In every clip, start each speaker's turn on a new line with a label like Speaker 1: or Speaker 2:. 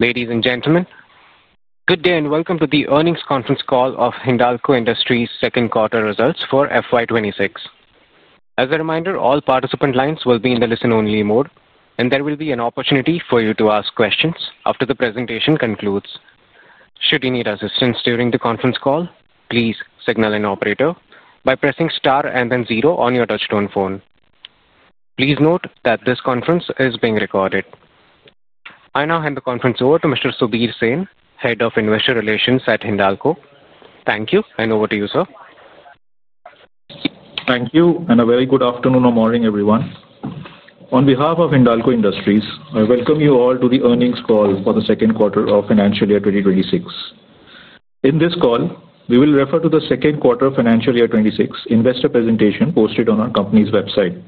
Speaker 1: Ladies and gentlemen, good day and welcome to the earnings conference call of Hindalco Industries' second quarter results for FY 2026. As a reminder, all participant lines will be in the listen-only mode, and there will be an opportunity for you to ask questions after the presentation concludes. Should you need assistance during the conference call, please signal an operator by pressing star and then zero on your touchstone phone. Please note that this conference is being recorded. I now hand the conference over to Mr. Subir Sen, Head of Investor Relations at Hindalco. Thank you, and over to you, sir.
Speaker 2: Thank you, and a very good afternoon or morning, everyone. On behalf of Hindalco Industries, I welcome you all to the earnings call for the second quarter of financial year 2026. In this call, we will refer to the second quarter of financial year 2026 investor presentation posted on our company's website.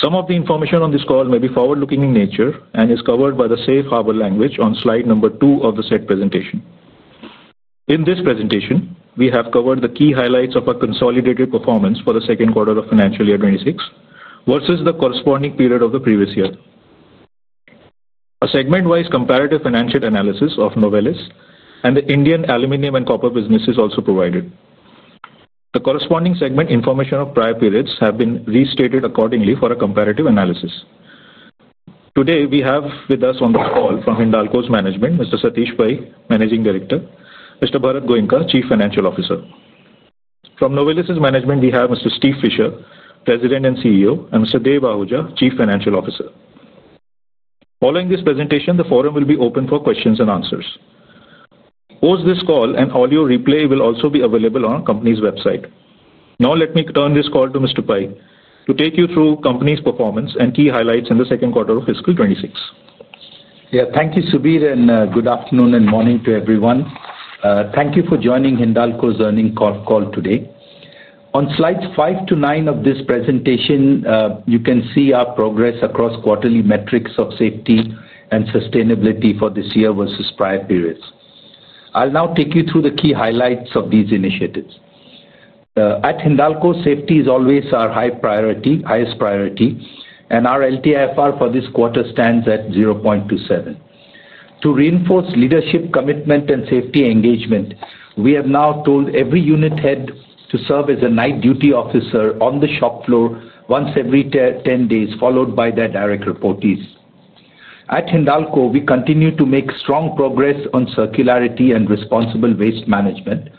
Speaker 2: Some of the information on this call may be forward-looking in nature and is covered by the safe harbor language on slide number two of the said presentation. In this presentation, we have covered the key highlights of our consolidated performance for the second quarter of financial year 2026 versus the corresponding period of the previous year. A segment-wise comparative financial analysis of Novelis and the Indian aluminum and copper business is also provided. The corresponding segment information of prior periods has been restated accordingly for a comparative analysis. Today, we have with us on the call from Hindalco's management, Mr. Satish Pai, Managing Director; Mr. Bharat Goenka, Chief Financial Officer. From Novelis's management, we have Mr. Steve Fisher, President and CEO; and Mr. Dev Ahuja, Chief Financial Officer. Following this presentation, the forum will be open for questions and answers. Post this call, an audio replay will also be available on our company's website. Now, let me turn this call to Mr. Pai to take you through company's performance and key highlights in the second quarter of fiscal 2026.
Speaker 3: Yeah, thank you, Subir, and good afternoon and morning to everyone. Thank you for joining Hindalco's earnings call today. On slides five to nine of this presentation, you can see our progress across quarterly metrics of safety and sustainability for this year versus prior periods. I'll now take you through the key highlights of these initiatives. At Hindalco, safety is always our highest priority, and our LTIFR for this quarter stands at 0.27. To reinforce leadership commitment and safety engagement, we have now told every unit head to serve as a night duty officer on the shop floor once every 10 days, followed by their direct reportees. At Hindalco, we continue to make strong progress on circularity and responsible waste management.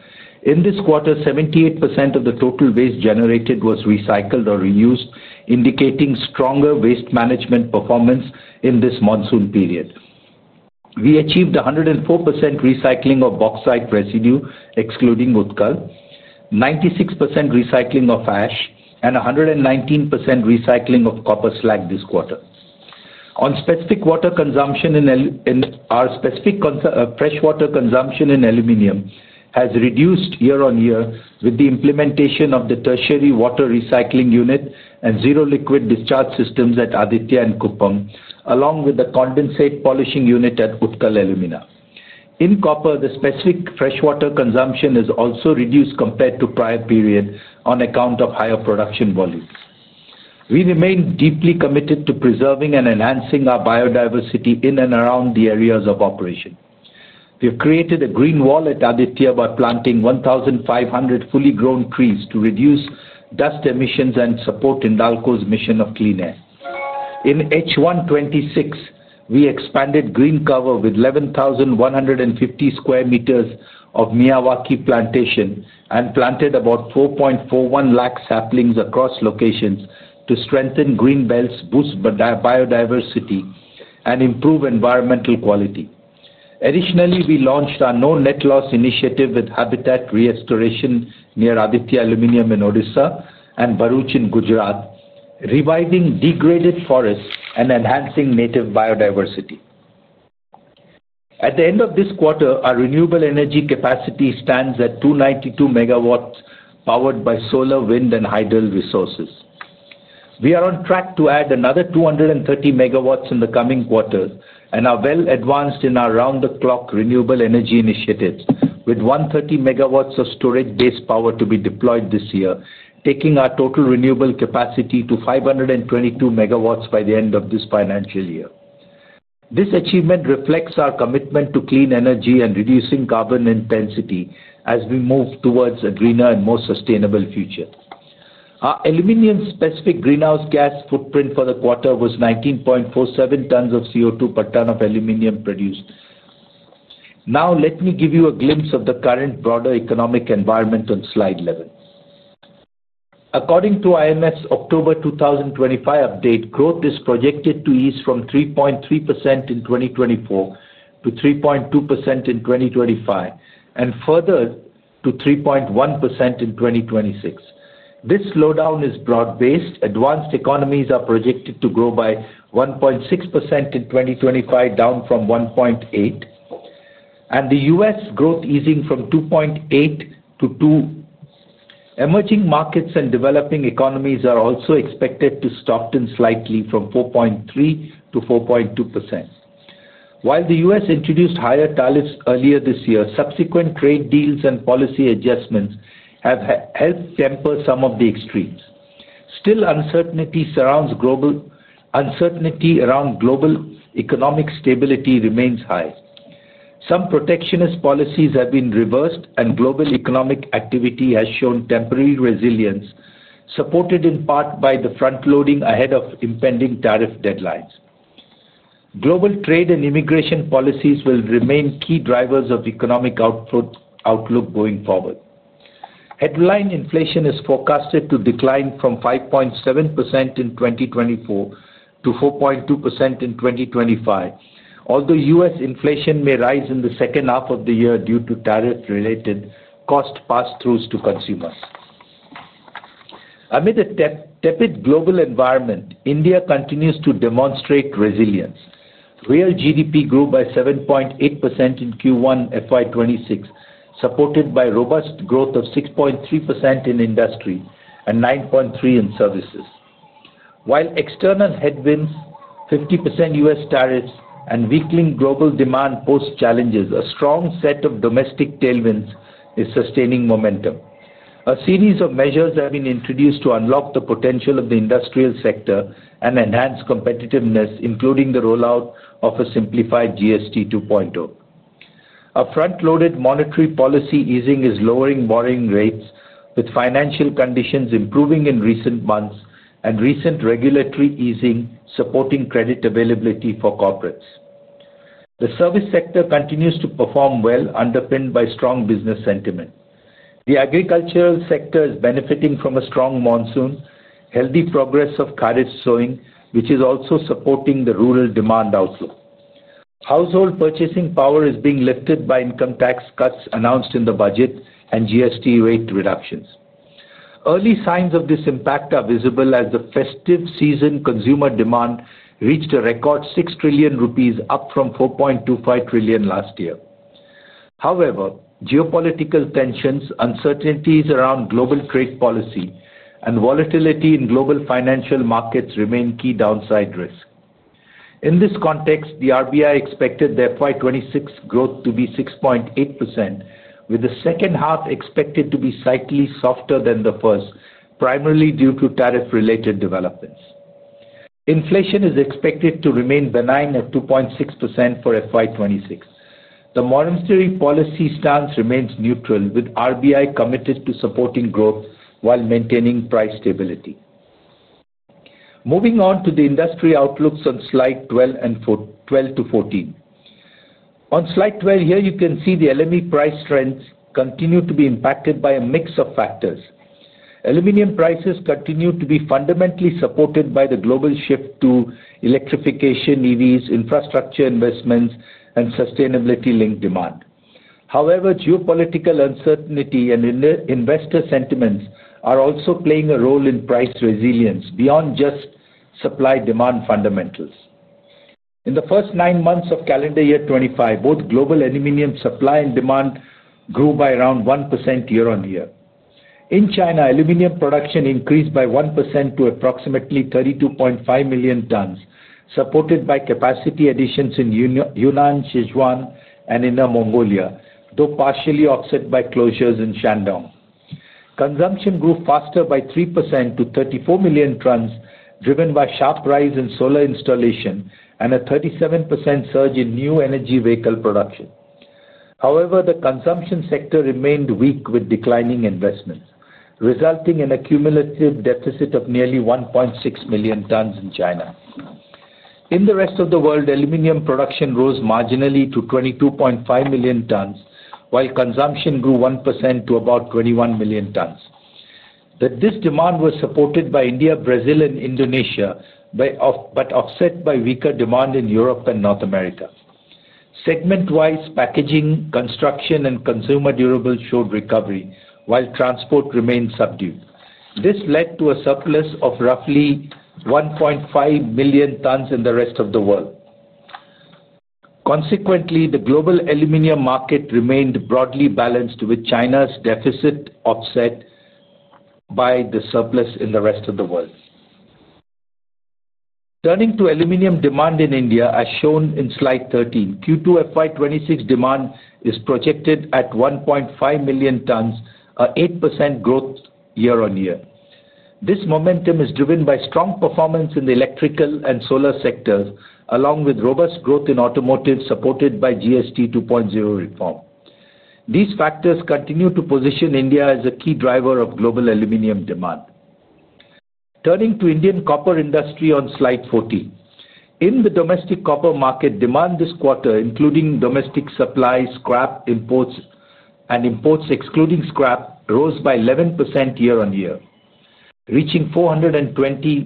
Speaker 3: In this quarter, 78% of the total waste generated was recycled or reused, indicating stronger waste management performance in this monsoon period. We achieved 104% recycling of bauxite residue, excluding Utkal, 96% recycling of ash, and 119% recycling of copper slag this quarter. Our specific freshwater consumption in aluminum has reduced year-on-year with the implementation of the tertiary water recycling unit and zero liquid discharge systems at Aditya and Kuppam, along with the condensate polishing unit at Utkal Alumina. In copper, the specific freshwater consumption is also reduced compared to prior period on account of higher production volumes. We remain deeply committed to preserving and enhancing our biodiversity in and around the areas of operation. We have created a green wall at Aditya by planting 1,500 fully grown trees to reduce dust emissions and support Hindalco's mission of clean air. In H1 2026, we expanded green cover with 11,150 sq m of Miyawaki plantation and planted about 4.41 lakh saplings across locations to strengthen greenbelts, boost biodiversity, and improve environmental quality. Additionally, we launched our No Net Loss initiative with habitat restoration near Aditya Aluminum in Odisha and Bharuch in Gujarat, reviving degraded forests and enhancing native biodiversity. At the end of this quarter, our renewable energy capacity stands at 292 MW powered by solar, wind, and hydro resources. We are on track to add another 230 MW in the coming quarter and are well advanced in our round-the-clock renewable energy initiatives, with 130 MW of storage-based power to be deployed this year, taking our total renewable capacity to 522 MW by the end of this financial year. This achievement reflects our commitment to clean energy and reducing carbon intensity as we move towards a greener and more sustainable future. Our aluminum-specific greenhouse gas footprint for the quarter was 19.47 tons of CO2 per ton of aluminum produced. Now, let me give you a glimpse of the current broader economic environment on slide 11. According to IMF's October 2025 update, growth is projected to ease from 3.3% in 2024 to 3.2% in 2025 and further to 3.1% in 2026. This slowdown is broad-based. Advanced economies are projected to grow by 1.6% in 2025, down from 1.8%, and the U.S. growth is easing from 2.8% to 2%. Emerging markets and developing economies are also expected to stock in slightly from 4.3% to 4.2%. While the U.S. introduced higher tariffs earlier this year, subsequent trade deals and policy adjustments have helped temper some of the extremes. Still, uncertainty around global economic stability remains high. Some protectionist policies have been reversed, and global economic activity has shown temporary resilience, supported in part by the front-loading ahead of impending tariff deadlines. Global trade and immigration policies will remain key drivers of economic outlook going forward. Headline inflation is forecasted to decline from 5.7% in 2024 to 4.2% in 2025, although U.S. inflation may rise in the second half of the year due to tariff-related cost pass-throughs to consumers. Amid a tepid global environment, India continues to demonstrate resilience. Real GDP grew by 7.8% in Q1 FY 2026, supported by robust growth of 6.3% in industry and 9.3% in services. While external headwinds, 50% U.S. tariffs, and weakening global demand pose challenges, a strong set of domestic tailwinds is sustaining momentum. A series of measures have been introduced to unlock the potential of the industrial sector and enhance competitiveness, including the rollout of a simplified GST 2.0. A front-loaded monetary policy easing is lowering borrowing rates, with financial conditions improving in recent months and recent regulatory easing supporting credit availability for corporates. The service sector continues to perform well, underpinned by strong business sentiment. The agricultural sector is benefiting from a strong monsoon, healthy progress of carriage sowing, which is also supporting the rural demand outlook. Household purchasing power is being lifted by income tax cuts announced in the budget and GST rate reductions. Early signs of this impact are visible as the festive season consumer demand reached a record 6 trillion rupees, up from 4.25 trillion last year. However, geopolitical tensions, uncertainties around global trade policy, and volatility in global financial markets remain key downside risks. In this context, the RBI expected the FY 2026 growth to be 6.8%, with the second half expected to be slightly softer than the first, primarily due to tariff-related developments. Inflation is expected to remain benign at 2.6% for FY 2026. The monetary policy stance remains neutral, with RBI committed to supporting growth while maintaining price stability. Moving on to the industry outlooks on slide 12 and 12 to 14. On slide 12, here you can see the LME price trends continue to be impacted by a mix of factors. Aluminum prices continue to be fundamentally supported by the global shift to electrification, EVs, infrastructure investments, and sustainability-linked demand. However, geopolitical uncertainty and investor sentiments are also playing a role in price resilience beyond just supply-demand fundamentals. In the first nine months of calendar year 2025, both global aluminum supply and demand grew by around 1% year-on-year. In China, aluminum production increased by 1% to approximately 32.5 million tons, supported by capacity additions in Yunnan, Sichuan, and Inner Mongolia, though partially offset by closures in Shandong. Consumption grew faster by 3% to 34 million tons, driven by sharp rise in solar installation and a 37% surge in new energy vehicle production. However, the consumption sector remained weak with declining investments, resulting in a cumulative deficit of nearly 1.6 million tons in China. In the rest of the world, aluminum production rose marginally to 22.5 million tons, while consumption grew 1% to about 21 million tons. This demand was supported by India, Brazil, and Indonesia, but offset by weaker demand in Europe and North America. Segment-wise, packaging, construction, and consumer durables showed recovery, while transport remained subdued. This led to a surplus of roughly 1.5 million tons in the rest of the world. Consequently, the global aluminum market remained broadly balanced with China's deficit offset by the surplus in the rest of the world. Turning to aluminum demand in India, as shown in slide 13, Q2 FY 2026 demand is projected at 1.5 million tons, a 8% growth year-on-year. This momentum is driven by strong performance in the electrical and solar sectors, along with robust growth in automotive supported by GST 2.0 reform. These factors continue to position India as a key driver of global aluminum demand. Turning to Indian copper industry on slide 14. In the domestic copper market, demand this quarter, including domestic supply, scrap imports, and imports excluding scrap, rose by 11% year-on-year, reaching 420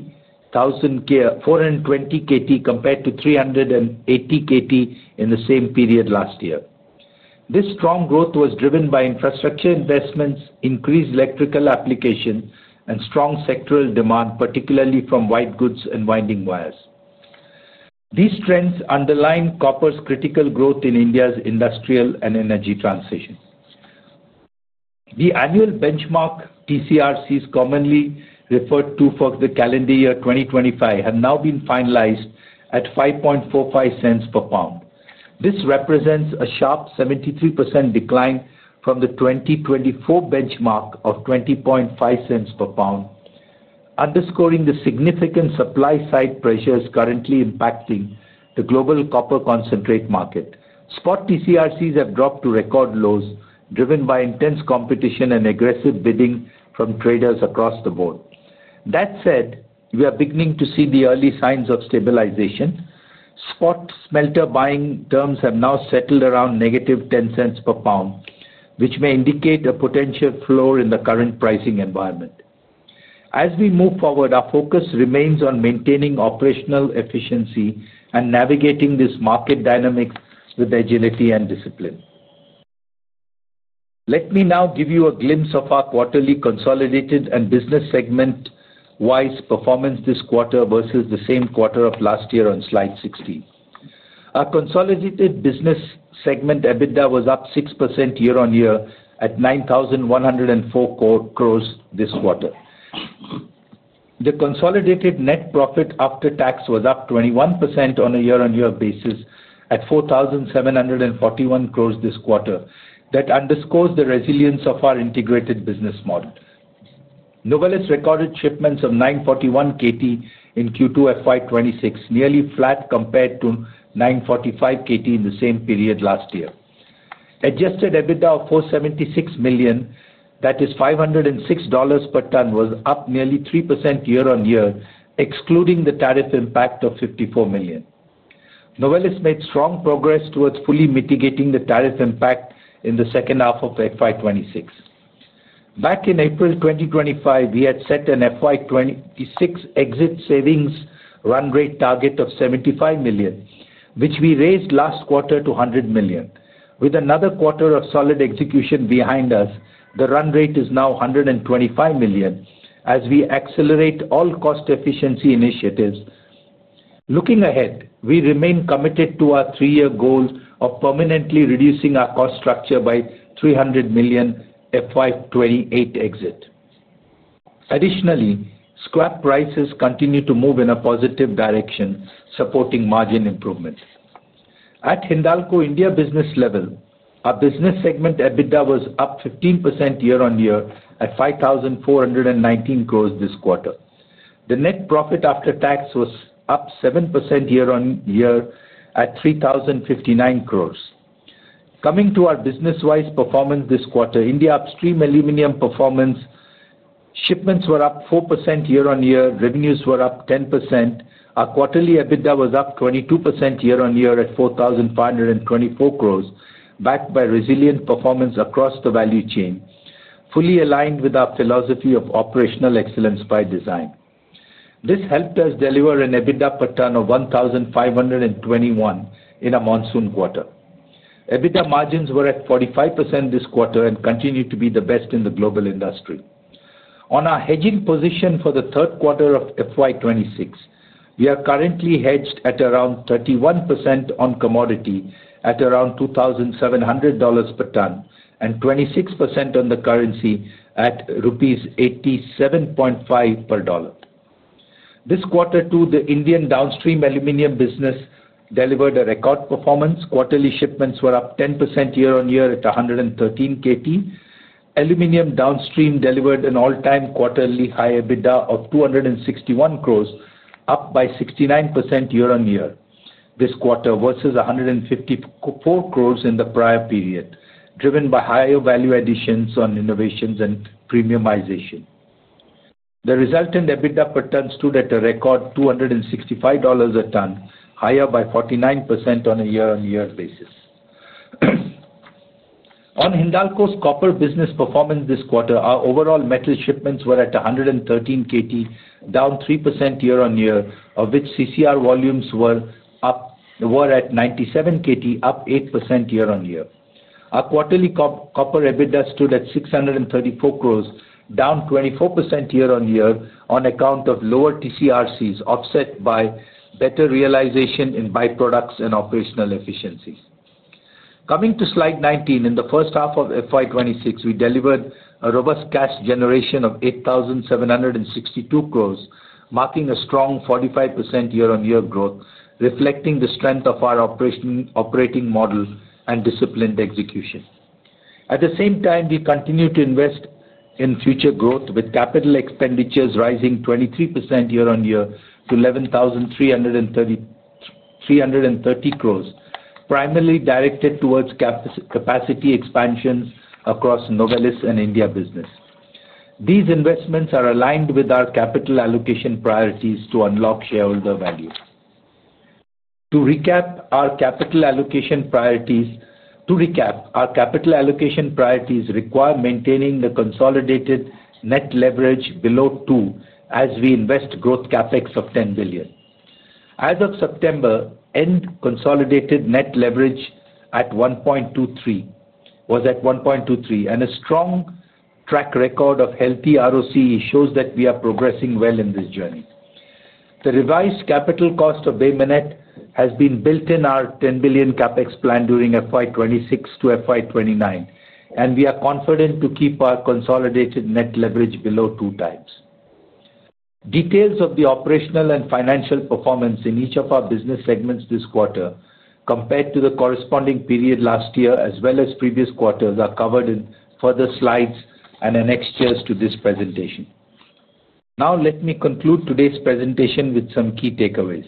Speaker 3: kt compared to 380 kt in the same period last year. This strong growth was driven by infrastructure investments, increased electrical application, and strong sectoral demand, particularly from white goods and winding wires. These trends underline copper's critical growth in India's industrial and energy transition. The annual benchmark TCRC, commonly referred to for the calendar year 2025, have now been finalized at $0.0545 per pound. This represents a sharp 73% decline from the 2024 benchmark of $0.205 per pound, underscoring the significant supply-side pressures currently impacting the global copper concentrate market. Spot TCRCs have dropped to record lows, driven by intense competition and aggressive bidding from traders across the board. That said, we are beginning to see the early signs of stabilization. Spot smelter buying terms have now settled around -$0.10 per pound, which may indicate a potential floor in the current pricing environment. As we move forward, our focus remains on maintaining operational efficiency and navigating this market dynamic with agility and discipline. Let me now give you a glimpse of our quarterly consolidated and business segment-wise performance this quarter versus the same quarter of last year on slide 16. Our consolidated business segment EBITDA was up 6% year-on-year at 9,104 crore this quarter. The consolidated net profit after tax was up 21% on a year-on-year basis at 4,741 crore this quarter. That underscores the resilience of our integrated business model. Novelis recorded shipments of 941 kt in Q2 FY2026, nearly flat compared to 945 kt in the same period last year. Adjusted EBITDA of $476 million, that is $506 per ton, was up nearly 3% year-on-year, excluding the tariff impact of $54 million. Novelis made strong progress towards fully mitigating the tariff impact in the second half of FY 2026. Back in April 2025, we had set an FY 2026 exit savings run rate target of $75 million, which we raised last quarter to $100 million. With another quarter of solid execution behind us, the run rate is now $125 million as we accelerate all cost efficiency initiatives. Looking ahead, we remain committed to our three-year goal of permanently reducing our cost structure by $300 million FY 2028 exit. Additionally, scrap prices continue to move in a positive direction, supporting margin improvement. At Hindalco India business level, our business segment EBITDA was up 15% year-on-year at 5,419 crore this quarter. The net profit after tax was up 7% year-on-year at 3,059 crore. Coming to our business-wise performance this quarter, India upstream aluminum performance shipments were up 4% year-on-year, revenues were up 10%. Our quarterly EBITDA was up 22% year-on-year at 4,524 crore, backed by resilient performance across the value chain, fully aligned with our philosophy of operational excellence by design. This helped us deliver an EBITDA per ton of 1,521 in a monsoon quarter. EBITDA margins were at 45% this quarter and continue to be the best in the global industry. On our hedging position for the third quarter of FY 2026, we are currently hedged at around 31% on commodity at around $2,700 per ton and 26% on the currency at rupees 87.5 per dollar. This quarter too, the Indian downstream aluminum business delivered a record performance. Quarterly shipments were up 10% year-on-year at 113 kt. Aluminum downstream delivered an all-time quarterly high EBITDA of 261 crore, up by 69% year-on-year this quarter versus 154 crore in the prior period, driven by higher value additions on innovations and premiumization. The resultant EBITDA per ton stood at a record $265 a ton, higher by 49% on a year-on-year basis. On Hindalco's copper business performance this quarter, our overall metal shipments were at 113 kt, down 3% year-on-year, of which CCR volumes were at 97 kt, up 8% year-on-year. Our quarterly copper EBITDA stood at 634 crore, down 24% year-on-year on account of lower TCRC, offset by better realization in byproducts and operational efficiencies. Coming to slide 19, in the first half of FY 2026, we delivered a robust cash generation of 8,762 crore, marking a strong 45% year-on-year growth, reflecting the strength of our operating model and disciplined execution. At the same time, we continue to invest in future growth, with capital expenditures rising 23% year-on-year to 11,330 crore, primarily directed towards capacity expansions across Novelis and India business. These investments are aligned with our capital allocation priorities to unlock shareholder value. To recap, our capital allocation priorities require maintaining the consolidated net leverage below 2x as we invest growth CapEx of $10 billion. As of September end, consolidated net leverage at 1.23x was at 1.23x, and a strong track record of healthy ROC shows that we are progressing well in this journey. The revised capital cost of Bay Minette has been built in our $10 billion CapEx plan during FY 2026 to FY 2029, and we are confident to keep our consolidated net leverage below 2x. Details of the operational and financial performance in each of our business segments this quarter, compared to the corresponding period last year as well as previous quarters, are covered in further slides and annexed charts to this presentation. Now, let me conclude today's presentation with some key takeaways.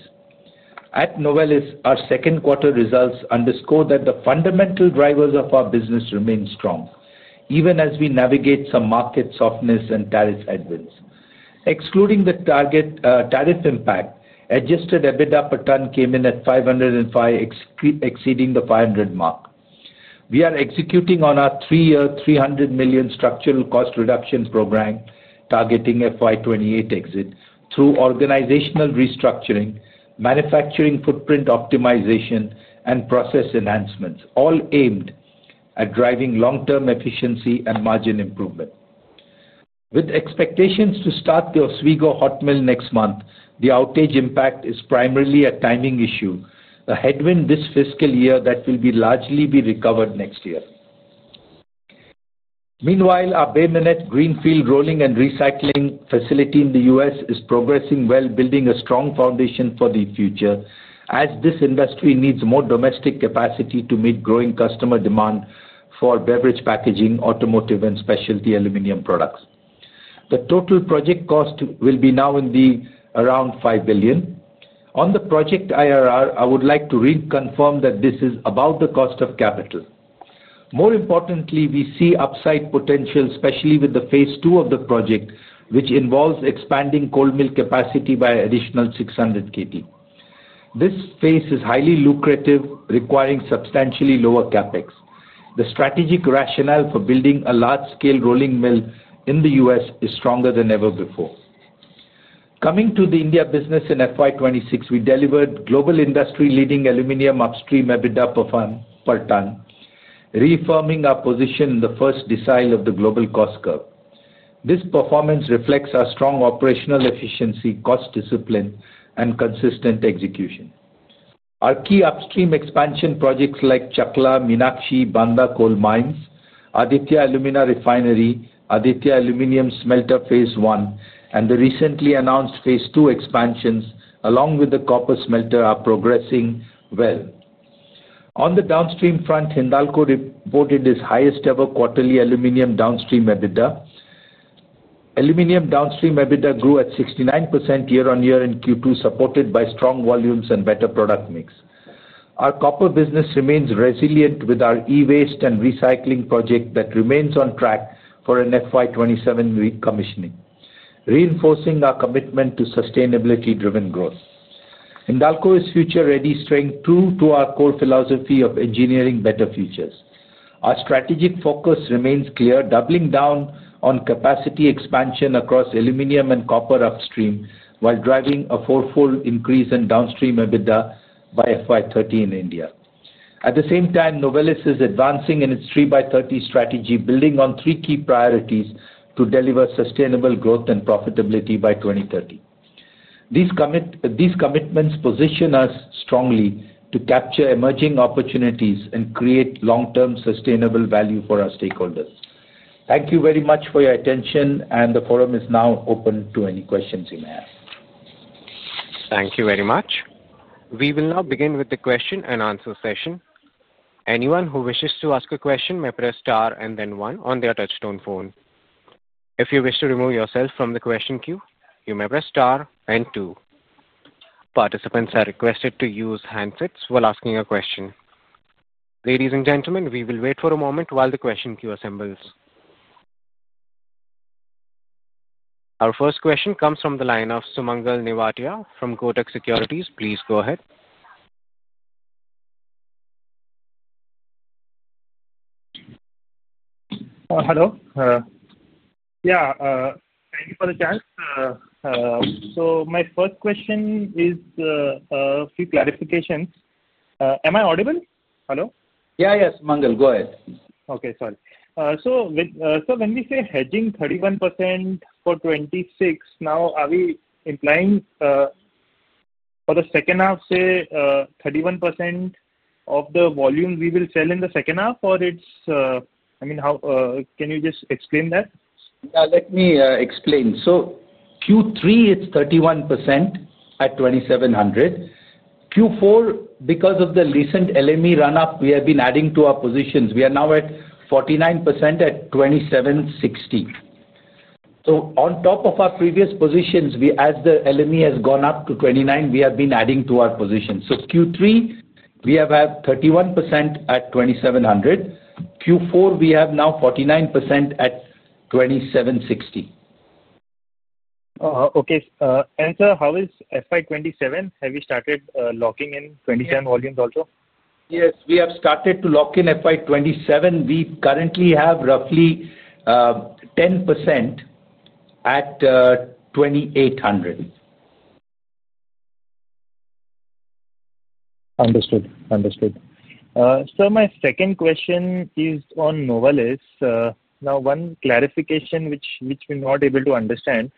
Speaker 3: At Novelis, our second quarter results underscore that the fundamental drivers of our business remain strong, even as we navigate some market softness and tariff advance. Excluding the target tariff impact, adjusted EBITDA per ton came in at $505, exceeding the $500 mark. We are executing on our three-year $300 million structural cost reduction program targeting FY 2028 exit through organizational restructuring, manufacturing footprint optimization, and process enhancements, all aimed at driving long-term efficiency and margin improvement. With expectations to start the Oswego Hotmill next month, the outage impact is primarily a timing issue, a headwind this fiscal year that will largely be recovered next year. Meanwhile, our Bay Minette Greenfield Rolling and Recycling facility in the U.S. is progressing well, building a strong foundation for the future, as this industry needs more domestic capacity to meet growing customer demand for beverage packaging, automotive, and specialty aluminum products. The total project cost will be now in the around $5 billion. On the project IRR, I would like to reconfirm that this is about the cost of capital. More importantly, we see upside potential, especially with the phase two of the project, which involves expanding coal mill capacity by additional 600 kt. This phase is highly lucrative, requiring substantially lower CapEx. The strategic rationale for building a large-scale rolling mill in the U.S. is stronger than ever before. Coming to the India business in FY 2026, we delivered global industry-leading aluminum upstream EBITDA per ton, reaffirming our position in the first decile of the global cost curve. This performance reflects our strong operational efficiency, cost discipline, and consistent execution. Our key upstream expansion projects like Chakla, Meenakshi, Bandha Coal Mines, Aditya Alumina Refinery, Aditya Aluminum Smelter Phase-1, and the recently announced Phase-2 expansions, along with the copper smelter, are progressing well. On the downstream front, Hindalco reported its highest ever quarterly aluminum downstream EBITDA. Aluminum downstream EBITDA grew at 69% year-on-year in Q2, supported by strong volumes and better product mix. Our copper business remains resilient with our e-waste and recycling project that remains on track for an FY 2027 recommissioning, reinforcing our commitment to sustainability-driven growth. Hindalco is future-ready, staying true to our core philosophy of engineering better futures. Our strategic focus remains clear, doubling down on capacity expansion across aluminum and copper upstream while driving a four-fold increase in downstream EBITDA by FY 2030 in India. At the same time, Novelis is advancing in its 3 by 30 strategy, building on three key priorities to deliver sustainable growth and profitability by 2030. These commitments position us strongly to capture emerging opportunities and create long-term sustainable value for our stakeholders. Thank you very much for your attention, and the forum is now open to any questions you may ask.
Speaker 1: Thank you very much. We will now begin with the question and answer session. Anyone who wishes to ask a question may press star and then one on their touchstone phone. If you wish to remove yourself from the question queue, you may press star and two. Participants are requested to use handsets while asking a question. Ladies and gentlemen, we will wait for a moment while the question queue assembles. Our first question comes from the line of Sumangal Nevatia from Kotak Securities. Please go ahead.
Speaker 4: Hello. Yeah. Thank you for the chance. So my first question is a few clarifications. Am I audible? Hello?
Speaker 3: Yeah, yes. Sumangal, go ahead.
Speaker 4: Okay. Sorry. So when we say hedging 31% for 2026, now are we implying for the second half, say, 31% of the volume we will sell in the second half or it's, I mean, can you just explain that?
Speaker 3: Yeah. Let me explain. Q3, it's 31% at $2,700. Q4, because of the recent LME run-up, we have been adding to our positions. We are now at 49% at $2,760. On top of our previous positions, as the LME has gone up to $2,900, we have been adding to our positions. Q3, we have had 31% at $2,700. Q4, we have now 49% at $2,760.
Speaker 4: Okay. Sir, how is FY 2027? Have you started locking in 2027 volumes also?
Speaker 3: Yes. We have started to lock in FY 2027. We currently have roughly 10% at $2,800.
Speaker 4: Understood. Understood. Sir, my second question is on Novelis. Now, one clarification which we're not able to understand.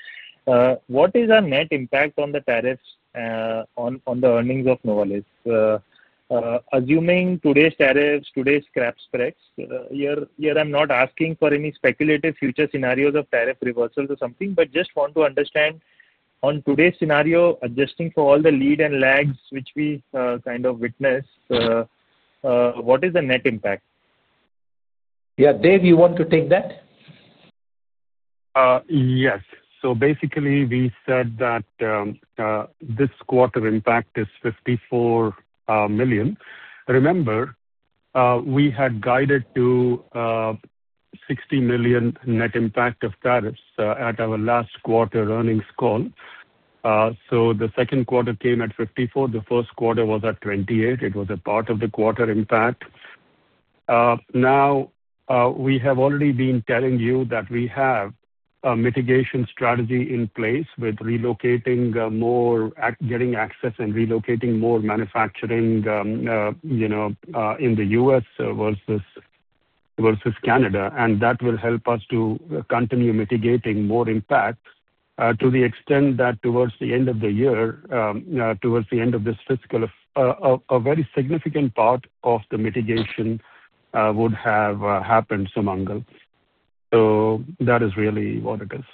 Speaker 4: What is our net impact on the tariffs on the earnings of Novelis? Assuming today's tariffs, today's scrap spreads, here, I'm not asking for any speculative future scenarios of tariff reversals or something, but just want to understand on today's scenario, adjusting for all the lead and lags which we kind of witness, what is the net impact?
Speaker 3: Yeah. Dev, you want to take that?
Speaker 5: Yes. So basically, we said that this quarter impact is $54 million. Remember, we had guided to $60 million net impact of tariffs at our last quarter earnings call. The second quarter came at $54 million. The first quarter was at $28 million. It was a part of the quarter impact. Now, we have already been telling you that we have a mitigation strategy in place with relocating more, getting access and relocating more manufacturing in the U.S. versus Canada. That will help us to continue mitigating more impact to the extent that towards the end of the year, towards the end of this fiscal, a very significant part of the mitigation would have happened, Sumangal. That is really what it is.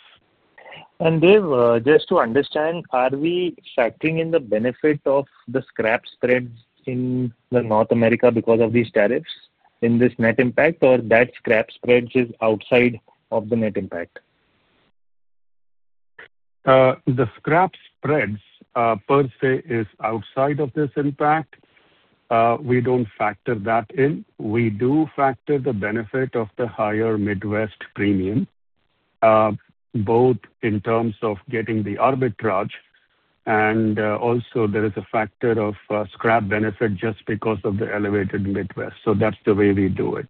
Speaker 4: Dev, just to understand, are we factoring in the benefit of the scrap spreads in North America because of these tariffs in this net impact, or that scrap spreads is outside of the net impact?
Speaker 5: The scrap spreads per se is outside of this impact. We do not factor that in. We do factor the benefit of the higher Midwest premium, both in terms of getting the arbitrage, and also there is a factor of scrap benefit just because of the elevated Midwest. That is the way we do it.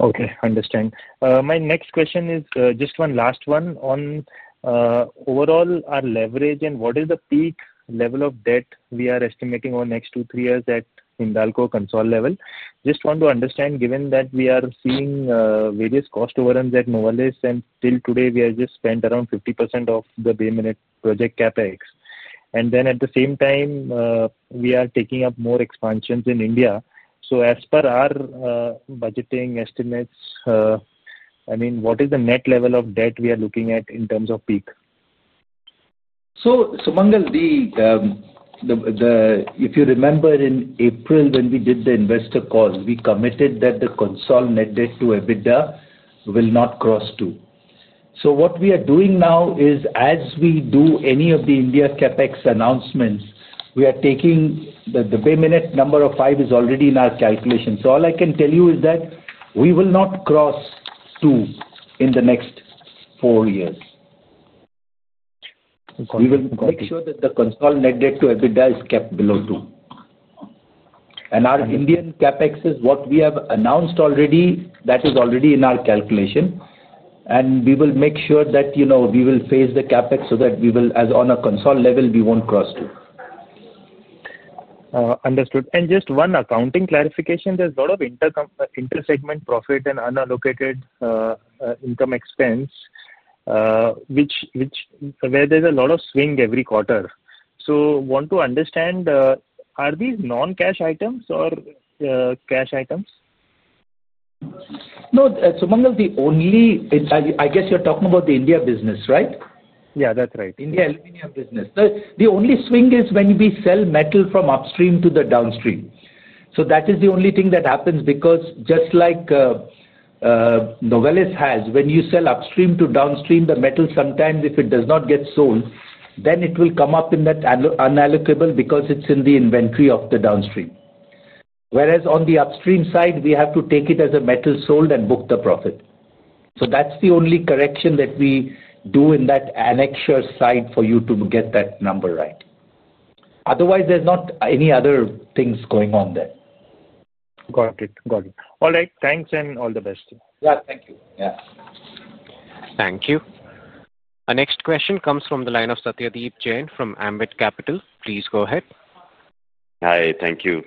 Speaker 4: Okay. Understand. My next question is just one last one on overall our leverage and what is the peak level of debt we are estimating over the next two, three years at Hindalco console level. Just want to understand, given that we are seeing various cost overruns at Novelis, and till today, we have just spent around 50% of the Bay Minette project CapEx. At the same time, we are taking up more expansions in India. As per our budgeting estimates, I mean, what is the net level of debt we are looking at in terms of peak?
Speaker 3: Sumangal, if you remember in April when we did the investor call, we committed that the console net debt to EBITDA will not cross 2x. What we are doing now is, as we do any of the India CapEx announcements, we are taking the Bay Minette number of five is already in our calculation. All I can tell you is that we will not cross 2x in the next four years. We will make sure that the console net debt to EBITDA is kept below 2x. Our Indian CapEx is what we have announced already. That is already in our calculation. We will make sure that we will phase the CapEx so that we will, as on a console level, we will not cross 2x.
Speaker 4: Understood. Just one accounting clarification. There is a lot of intersegment profit and unallocated income expense, where there is a lot of swing every quarter. I want to understand, are these non-cash items or cash items?
Speaker 3: No. Sumangal, I guess you are talking about the India business, right?
Speaker 4: Yeah, that's right.
Speaker 3: India aluminum business. The only swing is when we sell metal from upstream to the downstream. That is the only thing that happens because just like Novelis has, when you sell upstream to downstream, the metal sometimes, if it does not get sold, then it will come up in that unallocable because it's in the inventory of the downstream. Whereas on the upstream side, we have to take it as a metal sold and book the profit. That's the only correction that we do in that annexure side for you to get that number right. Otherwise, there's not any other things going on there.
Speaker 4: Got it. Got it. All right. Thanks and all the best.
Speaker 3: Yeah. Thank you. Yeah.
Speaker 1: Thank you. Our next question comes from the line of Satyadeep Jain from Ambit Capital. Please go ahead.
Speaker 6: Hi. Thank you.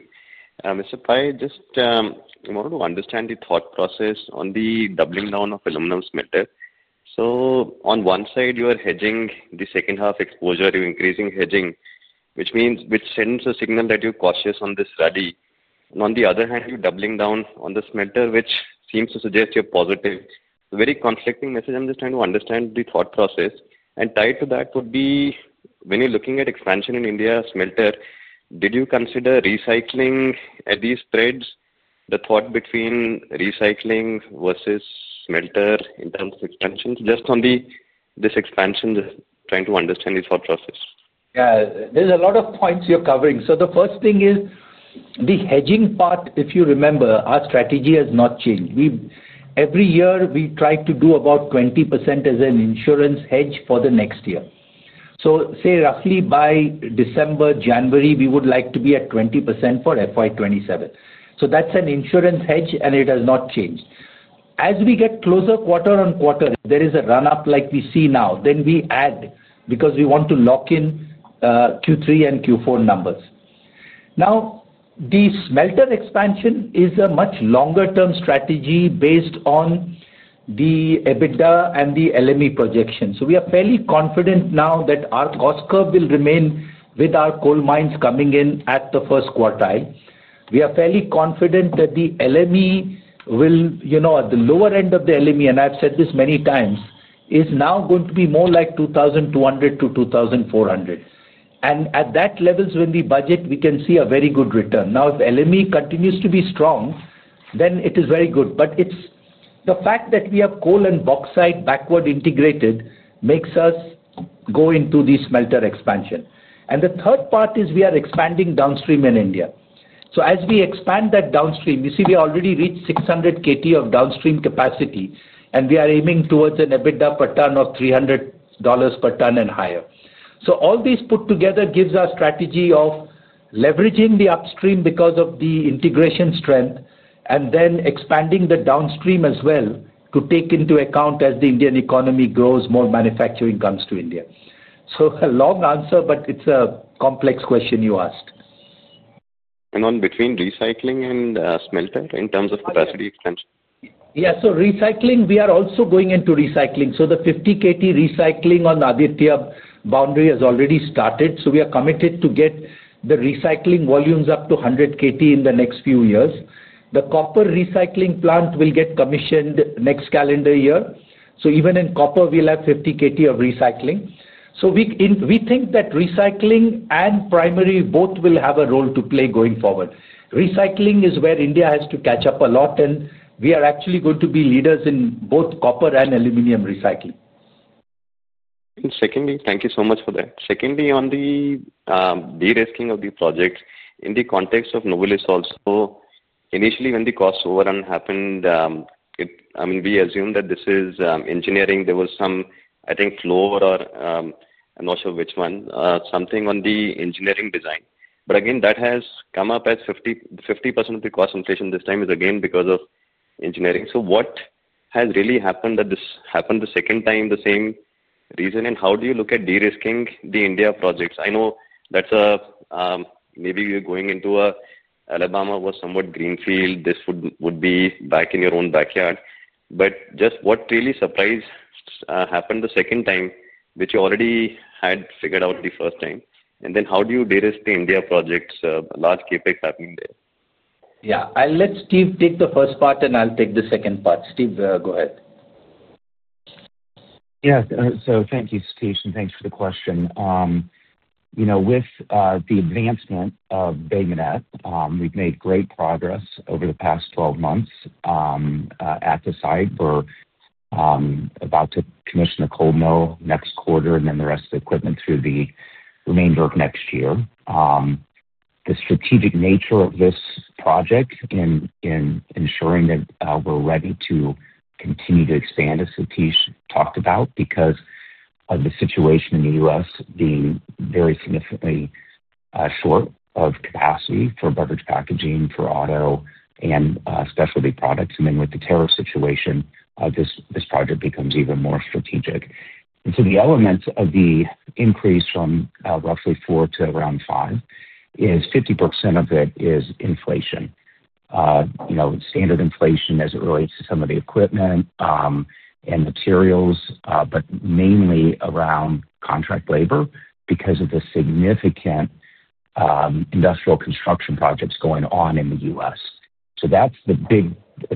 Speaker 6: Mr. Pai, just wanted to understand the thought process on the doubling down of aluminum smelter. On one side, you are hedging the second half exposure to increasing hedging, which sends a signal that you're cautious on this rally. On the other hand, you're doubling down on the smelter, which seems to suggest you're positive. Very conflicting message. I'm just trying to understand the thought process. Tied to that would be, when you're looking at expansion in India smelter, did you consider recycling at these spreads, the thought between recycling versus smelter in terms of expansion? Just on this expansion, just trying to understand the thought process.
Speaker 3: Yeah. There's a lot of points you're covering. The first thing is the hedging part, if you remember, our strategy has not changed. Every year, we try to do about 20% as an insurance hedge for the next year. Say roughly by December, January, we would like to be at 20% for FY 2027. That is an insurance hedge, and it has not changed. As we get closer quarter on quarter, if there is a run-up like we see now, then we add because we want to lock in Q3 and Q4 numbers. Now, the smelter expansion is a much longer-term strategy based on the EBITDA and the LME projection. We are fairly confident now that our cost curve will remain with our coal mines coming in at the first quartile. We are fairly confident that the LME will, at the lower end of the LME, and I have said this many times, is now going to be more like $2,200-$2,400. At those levels, when we budget, we can see a very good return. If LME continues to be strong, then it is very good. The fact that we have coal and bauxite backward integrated makes us go into the smelter expansion. The third part is we are expanding downstream in India. As we expand that downstream, you see we already reached 600 kt of downstream capacity, and we are aiming towards an EBITDA per ton of $300 per ton and higher. All these put together gives our strategy of leveraging the upstream because of the integration strength and then expanding the downstream as well to take into account as the Indian economy grows, more manufacturing comes to India. A long answer, but it's a complex question you asked.
Speaker 6: On between recycling and smelter in terms of capacity expansion?
Speaker 3: Yeah. Recycling, we are also going into recycling. The 50 kt recycling on Aditya boundary has already started. We are committed to get the recycling volumes up to 100 kt in the next few years. The copper recycling plant will get commissioned next calendar year. Even in copper, we'll have 50 kt of recycling. We think that recycling and primary both will have a role to play going forward. Recycling is where India has to catch up a lot, and we are actually going to be leaders in both copper and aluminum recycling.
Speaker 6: Thank you so much for that. Secondly, on the derisking of the project in the context of Novelis also, initially when the cost overrun happened, I mean, we assume that this is engineering. There was some, I think, floor or I'm not sure which one, something on the engineering design. That has come up as 50% of the cost inflation this time is again because of engineering. What has really happened that this happened the second time, the same reason? How do you look at derisking the India projects? I know that's maybe you're going into a Alabama was somewhat greenfield. This would be back in your own backyard. Just what really surprise happened the second time, which you already had figured out the first time? How do you derisk the India projects, large CapEx happening there?
Speaker 3: Yeah. I'll Let Steve take the first part, and I'll take the second part. Steve, go ahead.
Speaker 7: Yeah. Thank you, Satish, and thanks for the question. With the advancement of Bay Minette, we've made great progress over the past 12 months. At the site, we're about to commission the coal mill next quarter and then the rest of the equipment through the remainder of next year. The strategic nature of this project in ensuring that we're ready to continue to expand as Satish talked about because of the situation in the U.S. being very significantly short of capacity for beverage packaging, for auto, and specialty products. With the tariff situation, this project becomes even more strategic. The elements of the increase from roughly four to around five is 50% of it is inflation. Standard inflation as it relates to some of the equipment and materials, but mainly around contract labor because of the significant industrial construction projects going on in the U.S. That's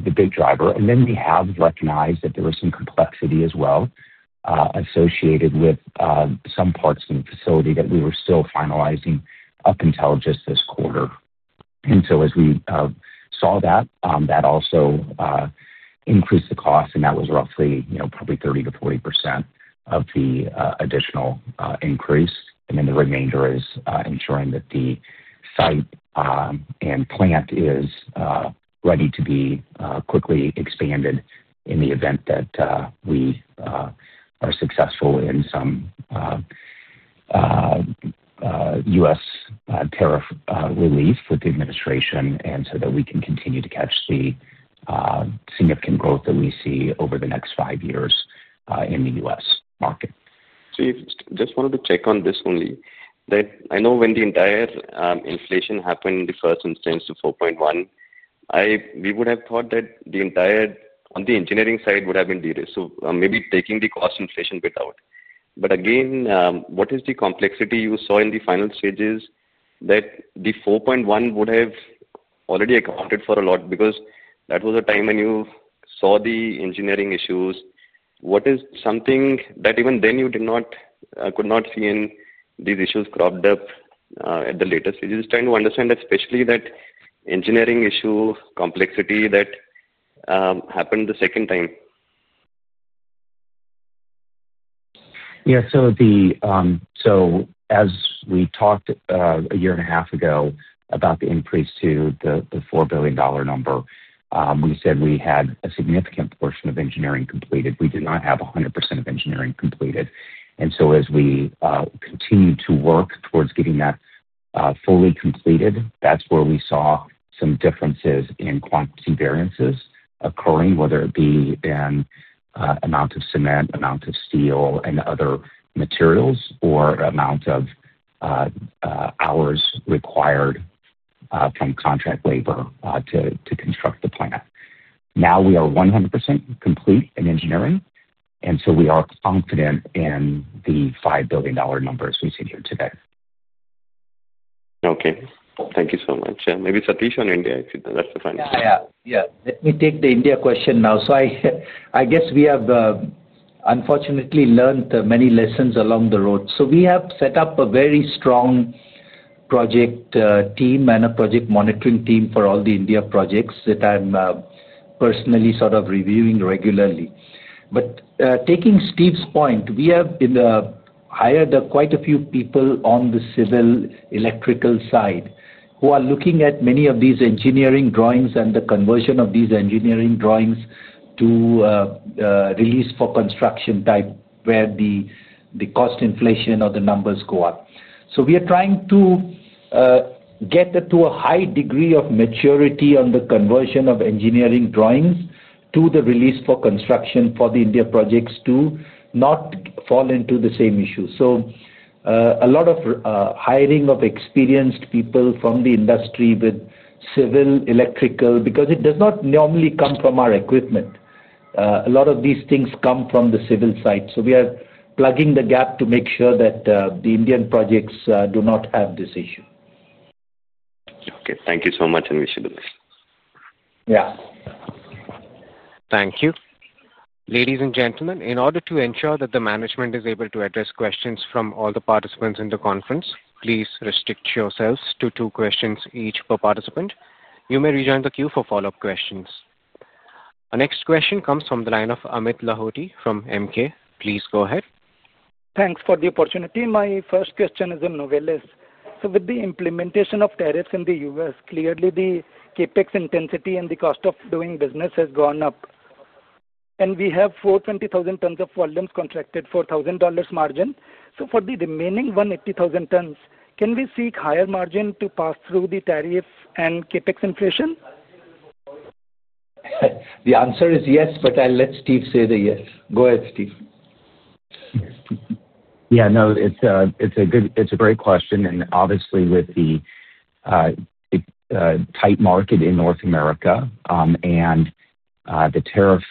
Speaker 7: the big driver. We have recognized that there was some complexity as well associated with some parts of the facility that we were still finalizing up until just this quarter. As we saw, that also increased the cost, and that was roughly probably 30%-40% of the additional increase. The remainder is ensuring that the site and plant are ready to be quickly expanded in the event that we are successful in some U.S. tariff relief with the administration, so that we can continue to catch the significant growth that we see over the next five years in the U.S. market.
Speaker 6: Just wanted to check on this only. I know when the entire inflation happened in the first instance to $4.1 billion, we would have thought that the entire on the engineering side would have been derisked. Maybe taking the cost inflation bit out. Again, what is the complexity you saw in the final stages that the $4.1 billion would have already accounted for a lot because that was a time when you saw the engineering issues? What is something that even then you could not see and these issues cropped up at the latest? Just trying to understand especially that engineering issue complexity that happened the second time.
Speaker 7: Yeah. As we talked a year and a half ago about the increase to the $4 billion number, we said we had a significant portion of engineering completed. We did not have 100% of engineering completed. As we continued to work towards getting that fully completed, that's where we saw some differences in quantity variances occurring, whether it be in amount of cement, amount of steel, and other materials, or amount of hours required from contract labor to construct the plant. Now we are 100% complete in engineering, and we are confident in the $5 billion numbers we see here today.
Speaker 6: Okay. Thank you so much. Maybe Satish on India. That's the final question.
Speaker 3: Yeah. Let me take the India question now. I guess we have unfortunately learned many lessons along the road. We have set up a very strong project team and a project monitoring team for all the India projects that I am personally sort of reviewing regularly. Taking Steve's point, we have hired quite a few people on the civil electrical side who are looking at many of these engineering drawings and the conversion of these engineering drawings to release for construction type where the cost inflation or the numbers go up. We are trying to get to a high degree of maturity on the conversion of engineering drawings to the release for construction for the India projects to not fall into the same issue. A lot of hiring of experienced people from the industry with civil, electrical, because it does not normally come from our equipment. A lot of these things come from the civil side. We are plugging the gap to make sure that the Indian projects do not have this issue.
Speaker 6: Okay. Thank you so much.
Speaker 3: Yeah.
Speaker 1: Thank you. Ladies and gentlemen, in order to ensure that the management is able to address questions from all the participants in the conference, please restrict yourselves to two questions each per participant. You may rejoin the queue for follow-up questions. Our next question comes from the line of Amit Lahoti from Emkay. Please go ahead.
Speaker 8: Thanks for the opportunity. My first question is on Novelis. With the implementation of tariffs in the U.S., clearly the CapEx intensity and the cost of doing business has gone up. We have 420,000 tons of volumes contracted for $1,000 margin. For the remaining 180,000 tons, can we seek higher margin to pass through the tariff and CapEx inflation?
Speaker 3: The answer is yes, but I'll let Steve say the yes. Go ahead, Steve.
Speaker 7: Yeah. No, it's a great question. Obviously, with the tight market in North America and the tariff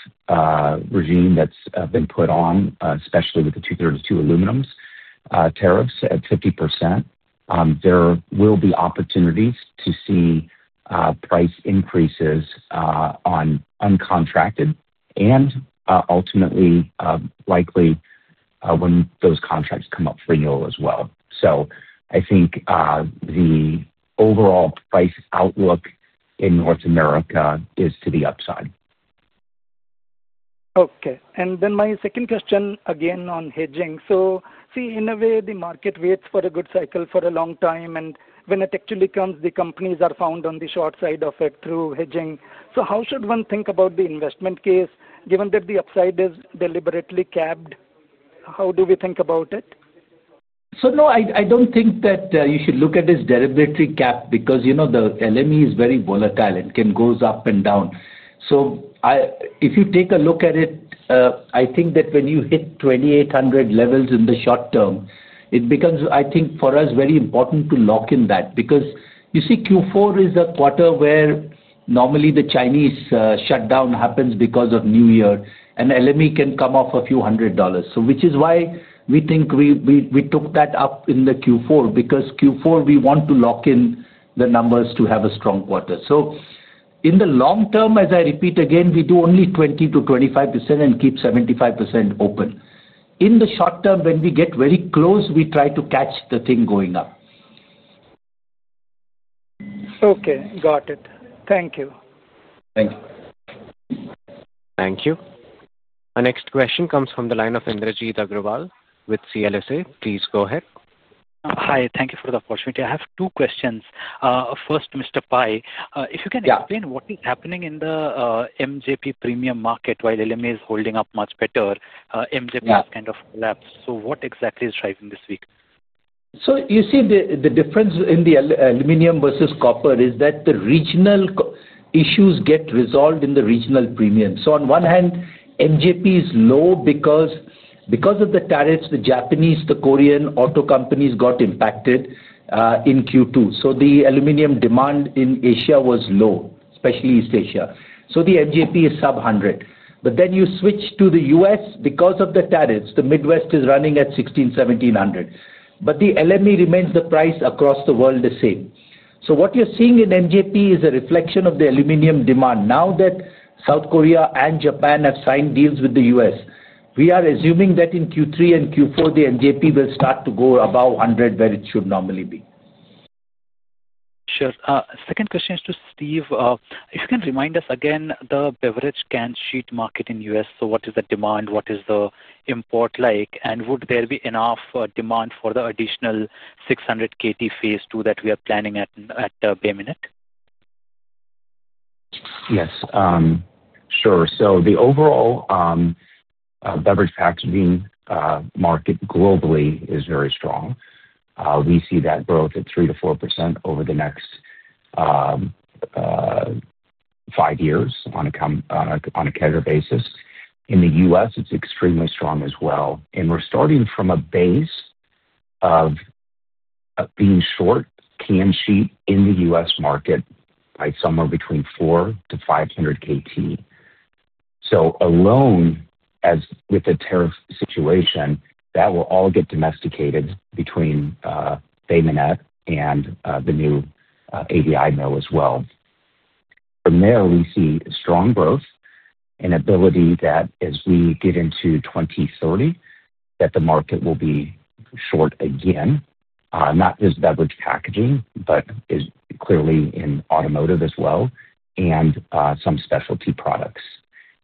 Speaker 7: regime that's been put on, especially with the 232 aluminum tariffs at 50%, there will be opportunities to see price increases on uncontracted and ultimately likely when those contracts come up for renewal as well. I think the overall price outlook in North America is to the upside.
Speaker 8: Okay. My second question again on hedging. See, in a way, the market waits for a good cycle for a long time, and when it actually comes, the companies are found on the short side of it through hedging. How should one think about the investment case given that the upside is deliberately capped? How do we think about it?
Speaker 3: No, I do not think that you should look at this as deliberately capped because the LME is very volatile. It can go up and down. If you take a look at it, I think that when you hit 2,800 levels in the short term, it becomes, I think, for us, very important to lock in that because you see Q4 is a quarter where normally the Chinese shutdown happens because of New Year, and LME can come off a few hundred dollars, which is why we think we took that up in Q4 because Q4, we want to lock in the numbers to have a strong quarter. In the long term, as I repeat again, we do only 20%-25% and keep 75% open. In the short term, when we get very close, we try to catch the thing going up.
Speaker 8: Okay. Got it. Thank you.
Speaker 3: Thank you.
Speaker 1: Thank you. Our next question comes from the line of Indrajit Agarwal with CLSA. Please go ahead.
Speaker 9: Hi. Thank you for the opportunity. I have two questions. First, Mr. Pai, if you can explain what is happening in the MJP premium market while LME is holding up much better, MJP has kind of collapsed. What exactly is driving this week?
Speaker 3: You see the difference in the aluminum versus copper is that the regional issues get resolved in the regional premium. On one hand, MJP is low because of the tariffs, the Japanese, the Korean auto companies got impacted in Q2. The aluminum demand in Asia was low, especially East Asia. The MJP is sub-100. You switch to the U.S., because of the tariffs, the Midwest is running at $1,600-$1,700. The LME remains the price across the world the same. What you are seeing in MJP is a reflection of the aluminum demand. Now that South Korea and Japan have signed deals with the U.S., we are assuming that in Q3 and Q4, the MJP will start to go above 100 where it should normally be.
Speaker 9: Sure. Second question is to Steve. If you can remind us again the beverage can sheet market in the U.S. What is the demand? What is the import like? Would there be enough demand for the additional 600 kt phase two that we are planning at Bay Minette?
Speaker 7: Yes. Sure. The overall beverage packaging market globally is very strong. We see that growth at 3% to 4% over the next five years on a cash basis. In the U.S., it is extremely strong as well. We are starting from a base of being short can sheet in the U.S. market by somewhere between 400 kt-500 kt. Alone, with the tariff situation, that will all get domesticated between Bay Minette and the new SDI mill as well. From there, we see strong growth and ability that as we get into 2030, the market will be short again, not just beverage packaging, but clearly in automotive as well and some specialty products.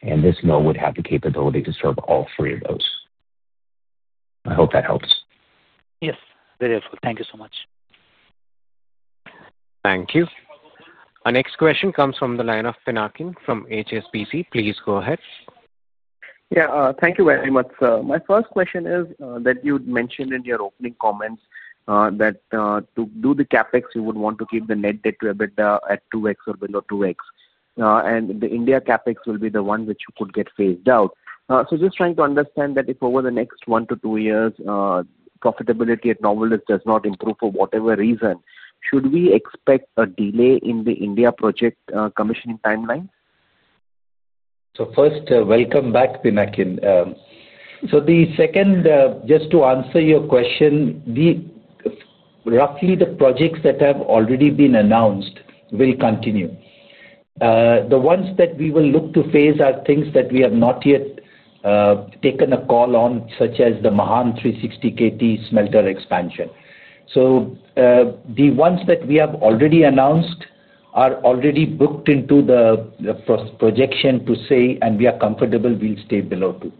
Speaker 7: This mill would have the capability to serve all three of those. I hope that helps.
Speaker 9: Yes, very helpful. Thank you so much.
Speaker 1: Thank you. Our next question comes from the line of Pinakin from HSBC. Please go ahead.
Speaker 10: Yeah. Thank you very much. My first question is that you mentioned in your opening comments that to do the CapEx, you would want to keep the net debt to EBITDA at 2x or below 2x. The India CapEx will be the one which you could get phased out. Just trying to understand that if over the next one to two years, profitability at Novelis does not improve for whatever reason, should we expect a delay in the India project commissioning timeline?
Speaker 3: First, welcome back, Pinakin. Second, just to answer your question, roughly the projects that have already been announced will continue. The ones that we will look to phase are things that we have not yet taken a call on, such as the Mahan 360 kt smelter expansion. The ones that we have already announced are already booked into the projection to say, "We are comfortable, we'll stay below 2x."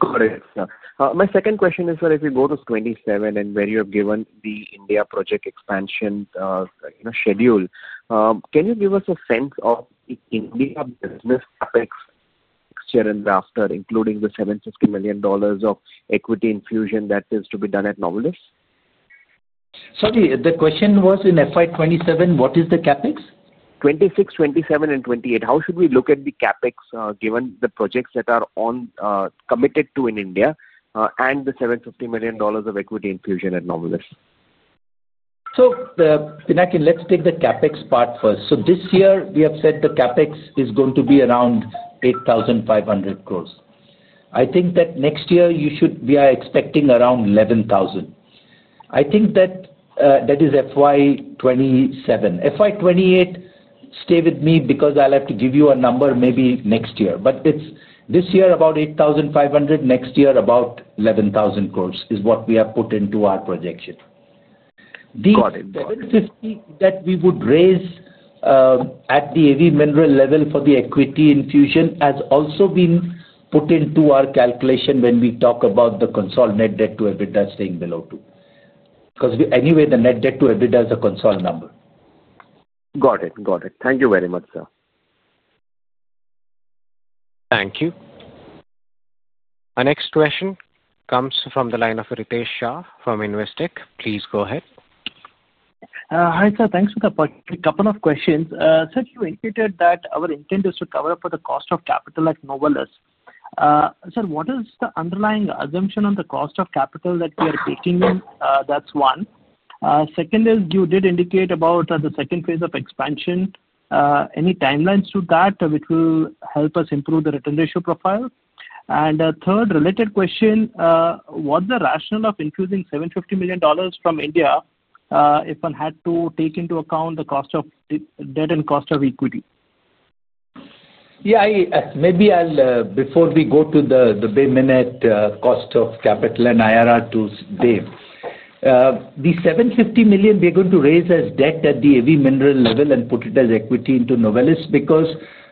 Speaker 10: Got it. My second question is, if we go to 2027 and where you have given the India project expansion schedule, can you give us a sense of India business CapEx here and after, including the $750 million of equity infusion that is to be done at Novelis?
Speaker 3: Sorry, the question was in FY 2027, what is the CapEx?
Speaker 10: 2026, 2027, and 2028. How should we look at the CapEx given the projects that are committed to in India and the $750 million of equity infusion at Novelis?
Speaker 3: Pinakin, let's take the CapEx part first. This year, we have said the CapEx is going to be around 8,500 crore. I think that next year, we are expecting around 11,000 crore. I think that is FY 2027. FY 2028, stay with me because I'll have to give you a number maybe next year. year, about 8,500 crore, next year, about 11,000 crore is what we have put into our projection. The 750 crore that we would raise at the AV Minerals level for the equity infusion has also been put into our calculation when we talk about the consolidated net debt to EBITDA staying below 2x because anyway, the net debt to EBITDA is a consolidated number.
Speaker 10: Got it. Got it. Thank you very much, sir.
Speaker 1: Thank you. Our next question comes from the line of Ritesh Shah from Investec. Please go ahead.
Speaker 11: Hi, sir. Thanks for the couple of questions. Sir, you indicated that our intent is to cover for the cost of capital at Novelis. Sir, what is the underlying assumption on the cost of capital that we are taking in? That's one. Second is, you did indicate about the second phase of expansion. Any timelines to that which will help us improve the return ratio profile? Third, related question, what's the rationale of infusing $750 million from India if one had to take into account the cost of debt and cost of equity?
Speaker 3: Yeah. Maybe before we go to the Bay Minette cost of capital and IRR to Dev, the $750 million, we are going to raise as debt at the heavy mineral level and put it as equity into Novelis because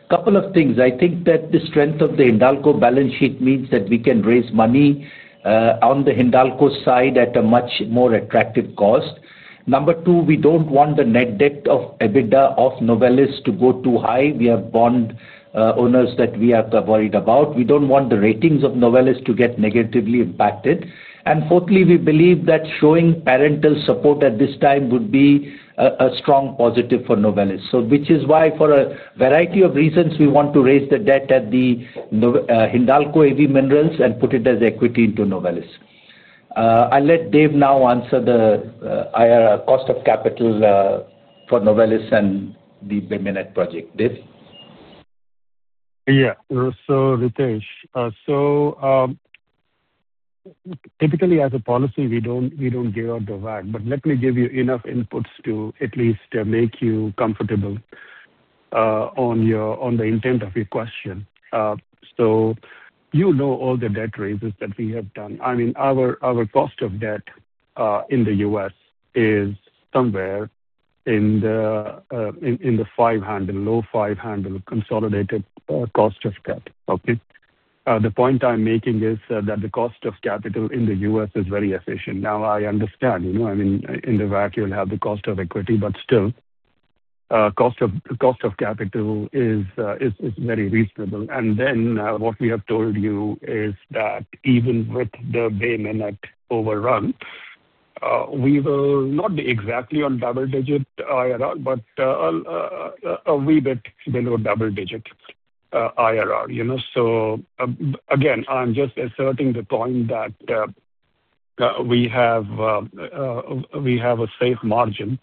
Speaker 3: a couple of things. I think that the strength of the Hindalco balance sheet means that we can raise money on the Hindalco side at a much more attractive cost. Number two, we don't want the net debt of EBITDA of Novelis to go too high. We have bond owners that we are worried about. We don't want the ratings of Novelis to get negatively impacted. Fourthly, we believe that showing parental support at this time would be a strong positive for Novelis, which is why for a variety of reasons, we want to raise the debt at the Hindalco AV Minerals and put it as equity into Novelis. I'll let Dev now answer the cost of capital for Novelis and the Bay Minette project. Dev?
Speaker 5: Yeah. Ritesh, typically, as a policy, we don't give out the WACC, but let me give you enough inputs to at least make you comfortable on the intent of your question. You know all the debt raises that we have done. I mean, our cost of debt in the U.S. is somewhere in the 5-handle, low 5-handle consolidated cost of debt. Okay? The point I'm making is that the cost of capital in the U.S. is very efficient. Now, I understand. I mean, in the WACC, you'll have the cost of equity, but still, cost of capital is very reasonable. What we have told you is that even with the Bay Minette overrun, we will not be exactly on double-digit IRR, but a wee bit below double-digit IRR. I am just asserting the point that we have a safe margin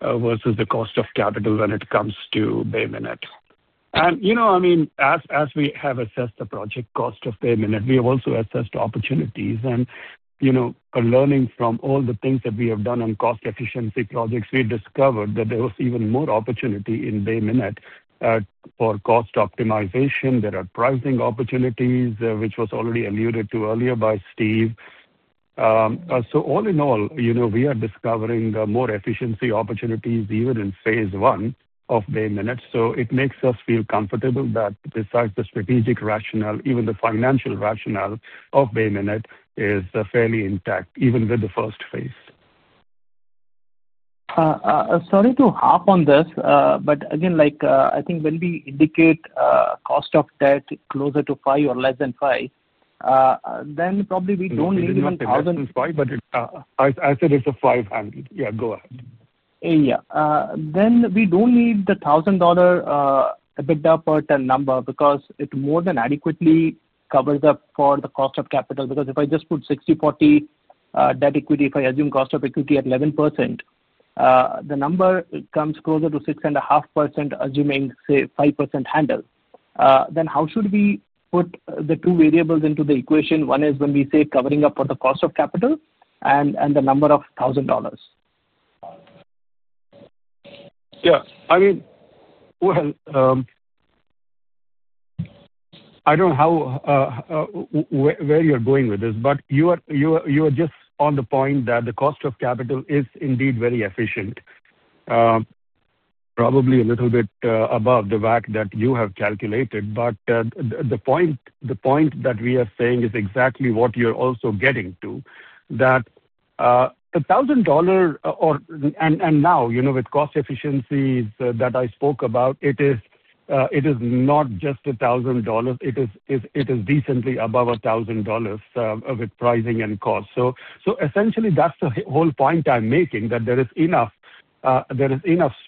Speaker 5: versus the cost of capital when it comes to Bay Minette. I mean, as we have assessed the project cost of Bay Minette, we have also assessed opportunities. Learning from all the things that we have done on cost efficiency projects, we discovered that there was even more opportunity in Bay Minette for cost optimization. There are pricing opportunities, which was already alluded to earlier by Steve. All in all, we are discovering more efficiency opportunities even in phase one of Bay Minette. It makes us feel comfortable that besides the strategic rationale, even the financial rationale of Bay Minette is fairly intact even with the first phase.
Speaker 11: Sorry to harp on this, but again, I think when we indicate cost of debt closer to 5% or less than 5%, then probably we do not need even $1,000.
Speaker 5: I said it is a 500. Yeah. Go ahead.
Speaker 11: Yeah. Then we do not need the $1,000 EBITDA per ton number because it more than adequately covers up for the cost of capital. Because if I just put 60/40 debt equity, if I assume cost of equity at 11%, the number comes closer to 6.5%, assuming, say, 5% handle. How should we put the two variables into the equation? One is when we say covering up for the cost of capital and the number of $1,000.
Speaker 5: Yeah. I mean, I do not know where you are going with this, but you are just on the point that the cost of capital is indeed very efficient, probably a little bit above the WACC that you have calculated. The point that we are saying is exactly what you are also getting to, that $1,000 and now with cost efficiencies that I spoke about, it is not just $1,000. It is decently above $1,000 with pricing and cost. Essentially, that is the whole point I am making, that there is enough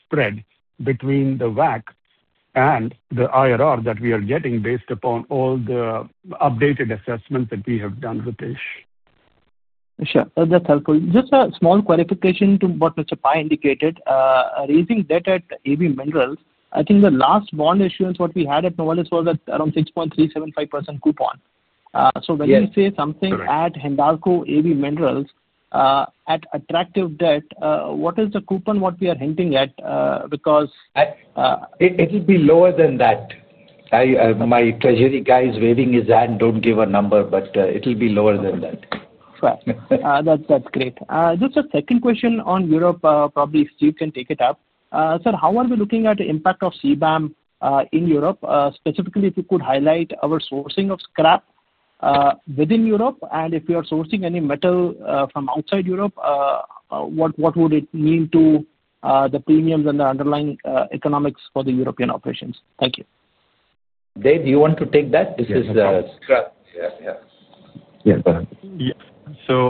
Speaker 5: spread between the WACC and the IRR that we are getting based upon all the updated assessments that we have done, Ritesh.
Speaker 11: Sure. That is helpful. Just a small clarification to what Mr. Pai indicated. Raising debt at AV Minerals, I think the last bond issuance that we had at Novelis was at around 6.375% coupon. When you say something at Hindalco AV Minerals at attractive debt, what is the coupon, what are we hinting at? Because
Speaker 3: It'll be lower than that. My treasury guy is waving his hand. Don't give a number, but it'll be lower than that.
Speaker 11: That's great. Just a second question on Europe, probably Steve can take it up. Sir, how are we looking at the impact of CBAM in Europe? Specifically, if you could highlight our sourcing of scrap within Europe, and if you are sourcing any metal from outside Europe, what would it mean to the premiums and the underlying economics for the European operations? Thank you.
Speaker 3: Dev, do you want to take that?
Speaker 5: This is scrap. Yes. Yes.
Speaker 3: Yeah. Go ahead.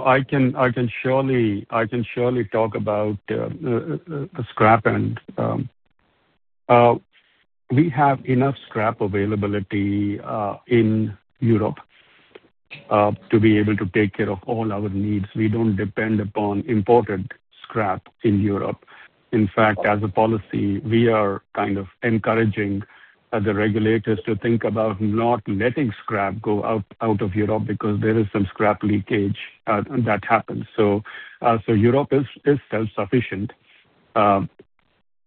Speaker 5: I can surely talk about scrap. And we have enough scrap availability in Europe to be able to take care of all our needs. We do not depend upon imported scrap in Europe. In fact, as a policy, we are kind of encouraging the regulators to think about not letting scrap go out of Europe because there is some scrap leakage that happens. Europe is self-sufficient,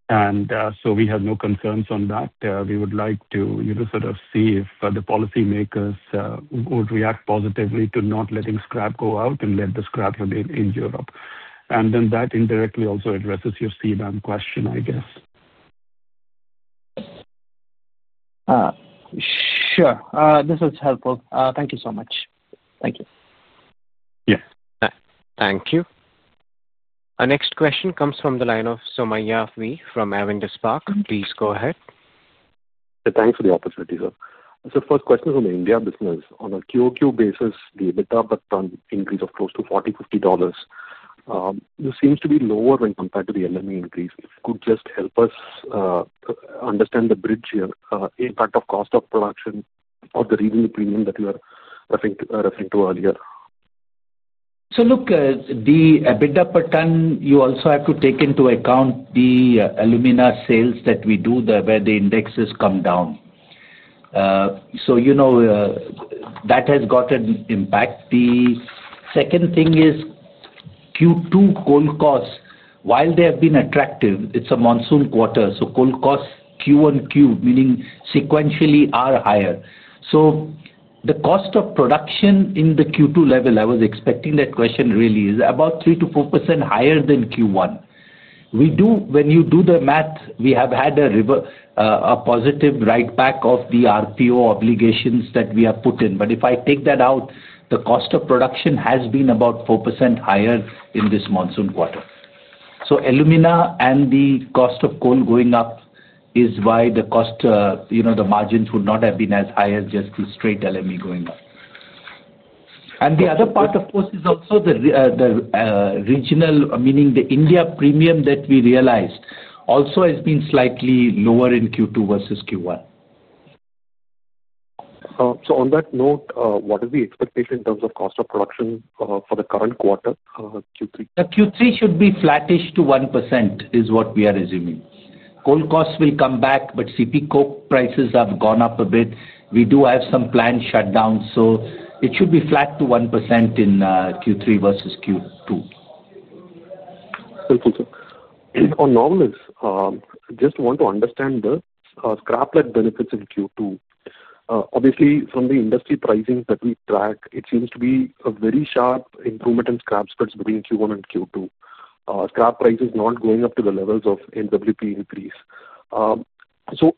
Speaker 5: and we have no concerns on that. We would like to sort of see if the policymakers would react positively to not letting scrap go out and let the scrap remain in Europe. That indirectly also addresses your CBAM question, I guess.
Speaker 11: Sure. This is helpful. Thank you so much. Thank you.
Speaker 1: Yes. Thank you. Our next question comes from the line of Somaiah V. from Avendus Spark. Please go ahead.
Speaker 12: Thanks for the opportunity, sir. First question from India business. On a QOQ basis, the EBITDA per ton increase of close to $40-$50 seems to be lower when compared to the LME increase. Could you just help us understand the bridge here, impact of cost of production or the reasonable premium that you are referring to earlier?
Speaker 3: Look, the EBITDA per ton, you also have to take into account the alumina sales that we do where the indexes come down. That has got an impact. The second thing is Q2 coal costs. While they have been attractive, it's a monsoon quarter. Coal costs Q1-Q2, meaning sequentially, are higher. The cost of production in the Q2 level, I was expecting that question, really is about 3%-4% higher than Q1. When you do the math, we have had a positive write-back of the RPO obligations that we have put in. If I take that out, the cost of production has been about 4% higher in this monsoon quarter. Alumina and the cost of coal going up is why the margins would not have been as high as just the straight LME going up. The other part, of course, is also the regional, meaning the India premium that we realized also has been slightly lower in Q2 versus Q1.
Speaker 12: On that note, what is the expectation in terms of cost of production for the current quarter, Q3?
Speaker 3: Q3 should be flattish to 1% is what we are assuming. Coal costs will come back, but CP coke prices have gone up a bit. We do have some planned shutdowns. It should be flat to 1% in Q3 versus Q2.
Speaker 12: Thank you, sir. On Novelis, just want to understand the scrap spread benefits in Q2. Obviously, from the industry pricing that we track, it seems to be a very sharp improvement in scrap spreads between Q1 and Q2. Scrap prices not going up to the levels of MWP increase.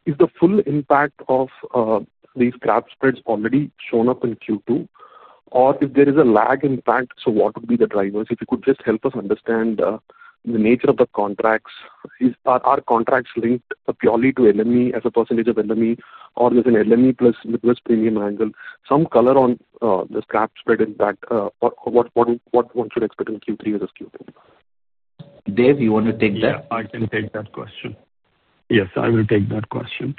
Speaker 12: Is the full impact of these scrap spreads already shown up in Q2, or if there is a lag in time, what would be the drivers? If you could just help us understand the nature of the contracts, are contracts linked purely to LME as a percentage of LME, or is there an LME plus Midwest Premium angle? Some color on the scrap spread impact, or what one should expect in Q3 versus Q2?
Speaker 3: Dev, you want to take that?
Speaker 5: I can take that question. Yes. I will take that question.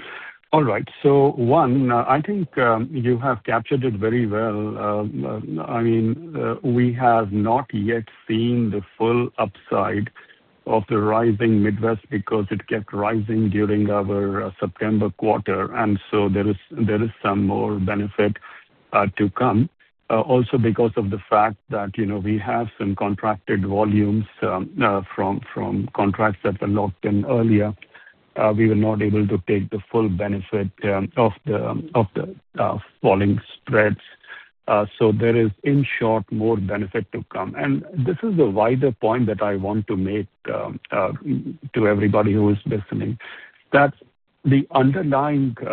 Speaker 5: All right. One, I think you have captured it very well. I mean, we have not yet seen the full upside of the rising Midwest because it kept rising during our September quarter. There is some more benefit to come. Also, because of the fact that we have some contracted volumes from contracts that were locked in earlier, we were not able to take the full benefit of the falling spreads. There is, in short, more benefit to come. This is the wider point that I want to make to everybody who is listening. The underlying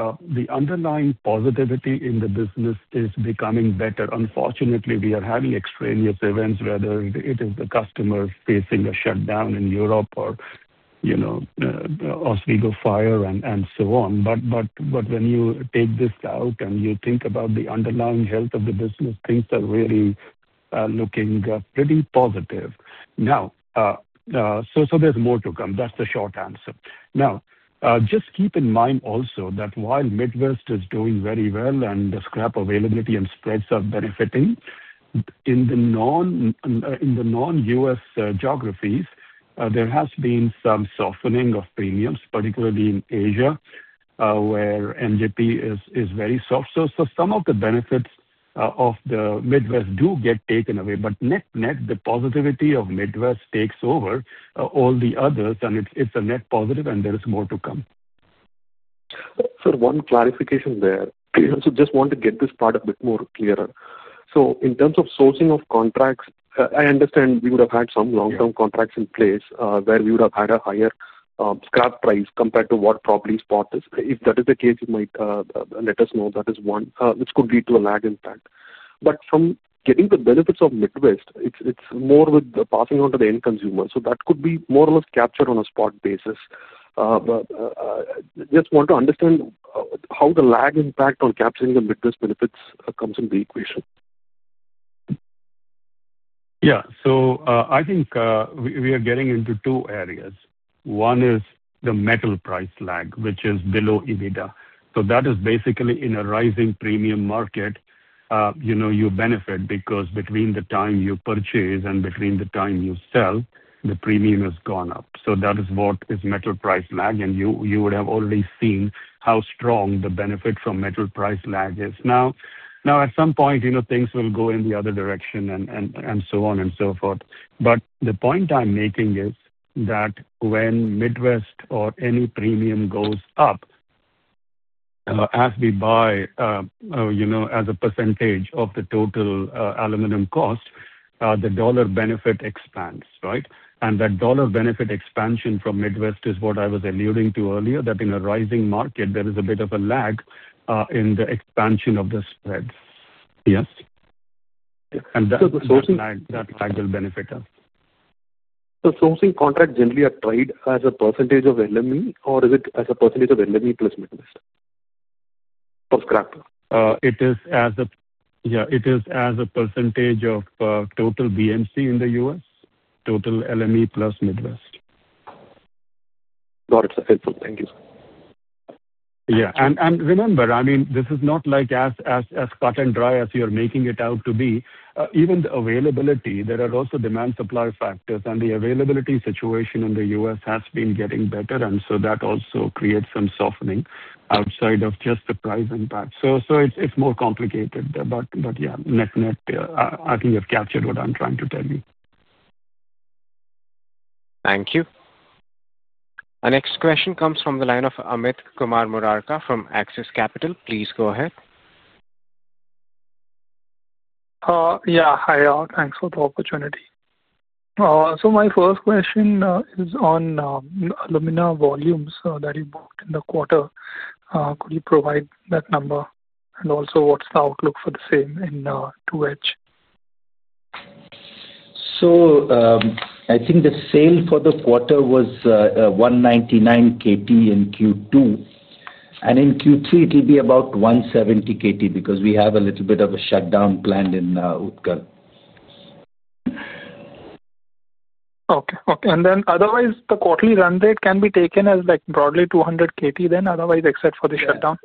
Speaker 5: positivity in the business is becoming better. Unfortunately, we are having extraneous events, whether it is the customer facing a shutdown in Europe or Oswego fire and so on. When you take this out and you think about the underlying health of the business, things are really looking pretty positive. There is more to come. That is the short answer. Now, just keep in mind also that while Midwest is doing very well and the scrap availability and spreads are benefiting, in the non-U.S. geographies, there has been some softening of premiums, particularly in Asia where MJP is very soft. Some of the benefits of the Midwest do get taken away, but net net, the positivity of Midwest takes over all the others, and it's a net positive, and there is more to come.
Speaker 12: One clarification there. I just want to get this part a bit more clear. In terms of sourcing of contracts, I understand we would have had some long-term contracts in place where we would have had a higher scrap price compared to what probably spot is. If that is the case, you might let us know. That is one, which could lead to a lag in time. From getting the benefits of Midwest, it is more with the passing on to the end consumer. That could be more or less captured on a spot basis. I just want to understand how the lag impact on capturing the Midwest benefits comes into the equation.
Speaker 5: Yeah. I think we are getting into two areas. One is the metal price lag, which is below EBITDA. That is basically in a rising premium market, you benefit because between the time you purchase and between the time you sell, the premium has gone up. That is what is metal price lag, and you would have already seen how strong the benefit from metal price lag is. At some point, things will go in the other direction and so on and so forth. The point I'm making is that when Midwest or any premium goes up, as we buy as a percentage of the total aluminum cost, the dollar benefit expands, right? That dollar benefit expansion from Midwest is what I was alluding to earlier, that in a rising market, there is a bit of a lag in the expansion of the spreads. Yes. That lag will benefit us.
Speaker 12: Sourcing contracts generally are tied as a percentage of LME, or is it as a percentage of LME plus Midwest or scrap?
Speaker 5: Yeah. It is as a percentage of total BMC in the U.S., total LME plus Midwest.
Speaker 12: Got it, sir. Thank you, sir.
Speaker 5: Yeah. I mean, this is not as cut and dry as you're making it out to be. Even the availability, there are also demand-supply factors, and the availability situation in the U.S. has been getting better, and that also creates some softening outside of just the price impact. It is more complicated. Yeah, net net, I think you have captured what I am trying to tell you.
Speaker 1: Thank you. Our next question comes from the line of Amit Kumar Murarka from Axis Capital. Please go ahead.
Speaker 13: Yeah. Hi, all. Thanks for the opportunity. My first question is on alumina volumes that you booked in the quarter. Could you provide that number? Also, what is the outlook for the same in 2H?
Speaker 3: I think the sale for the quarter was 199 kt in Q2. In Q3, it will be about 170 kt because we have a little bit of a shutdown planned in Utkal.
Speaker 13: Okay. Okay. Then otherwise, the quarterly run rate can be taken as broadly 200 kt then, otherwise, except for the shutdown?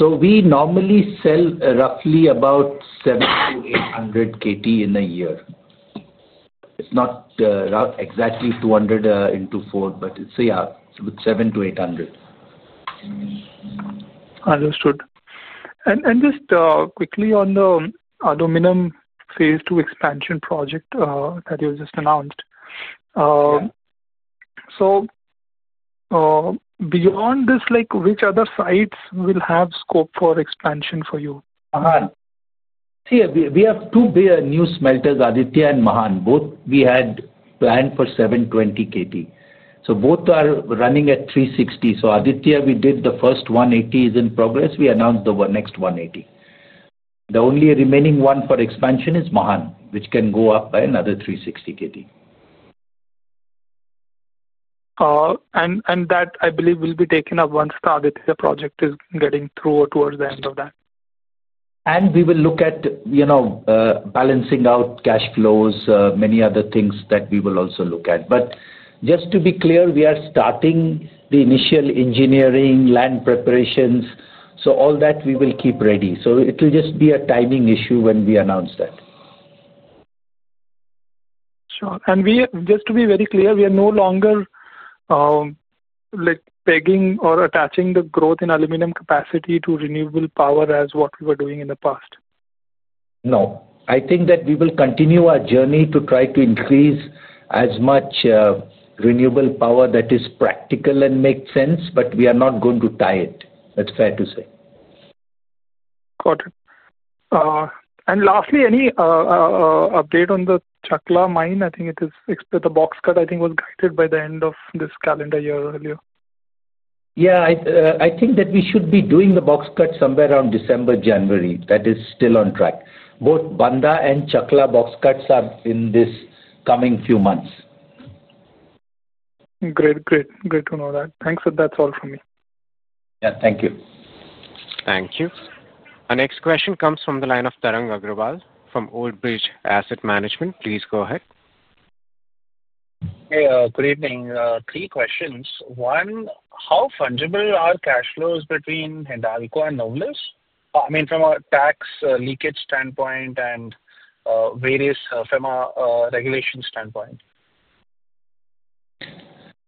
Speaker 3: We normally sell roughly about 700 kt -800 kt in a year. It's not exactly 200 into 4, but it's, yeah, it's about 700 kt-800 kt.
Speaker 13: Understood. Just quickly on the aluminum phase two expansion project that you just announced. Beyond this, which other sites will have scope for expansion for you?
Speaker 3: See, we have two big new smelters, Aditya and Mahan. Both we had planned for 720 kt. Both are running at 360 kt. Aditya, we did the first 180 kt, is in progress. We announced the next 180 kt. The only remaining one for expansion is Mahan, which can go up by another 360 kt.
Speaker 13: That, I believe, will be taken up once the Aditya project is getting through or towards the end of that?
Speaker 3: We will look at balancing out cash flows, many other things that we will also look at. Just to be clear, we are starting the initial engineering, land preparations. All that, we will keep ready. It will just be a timing issue when we announce that.
Speaker 13: Sure. Just to be very clear, we are no longer pegging or attaching the growth in aluminum capacity to renewable power as what we were doing in the past?
Speaker 3: No. I think that we will continue our journey to try to increase as much renewable power that is practical and makes sense, but we are not going to tie it. That is fair to say.
Speaker 13: Got it. Lastly, any update on the Chakla mine? I think the box cut, I think, was guided by the end of this calendar year earlier.
Speaker 3: Yeah. I think that we should be doing the box cut somewhere around December, January. That is still on track. Both Bandha and Chakla box cuts are in this coming few months.
Speaker 13: Great. Great to know that. Thanks. And that's all from me.
Speaker 3: Yeah. Thank you.
Speaker 1: Thank you. Our next question comes from the line of Tarang Agrawal from Old Bridge Asset Management. Please go ahead.
Speaker 14: Hey, good evening. Three questions. One, how fungible are cash flows between Hindalco and Novelis? I mean, from a tax leakage standpoint and various FEMA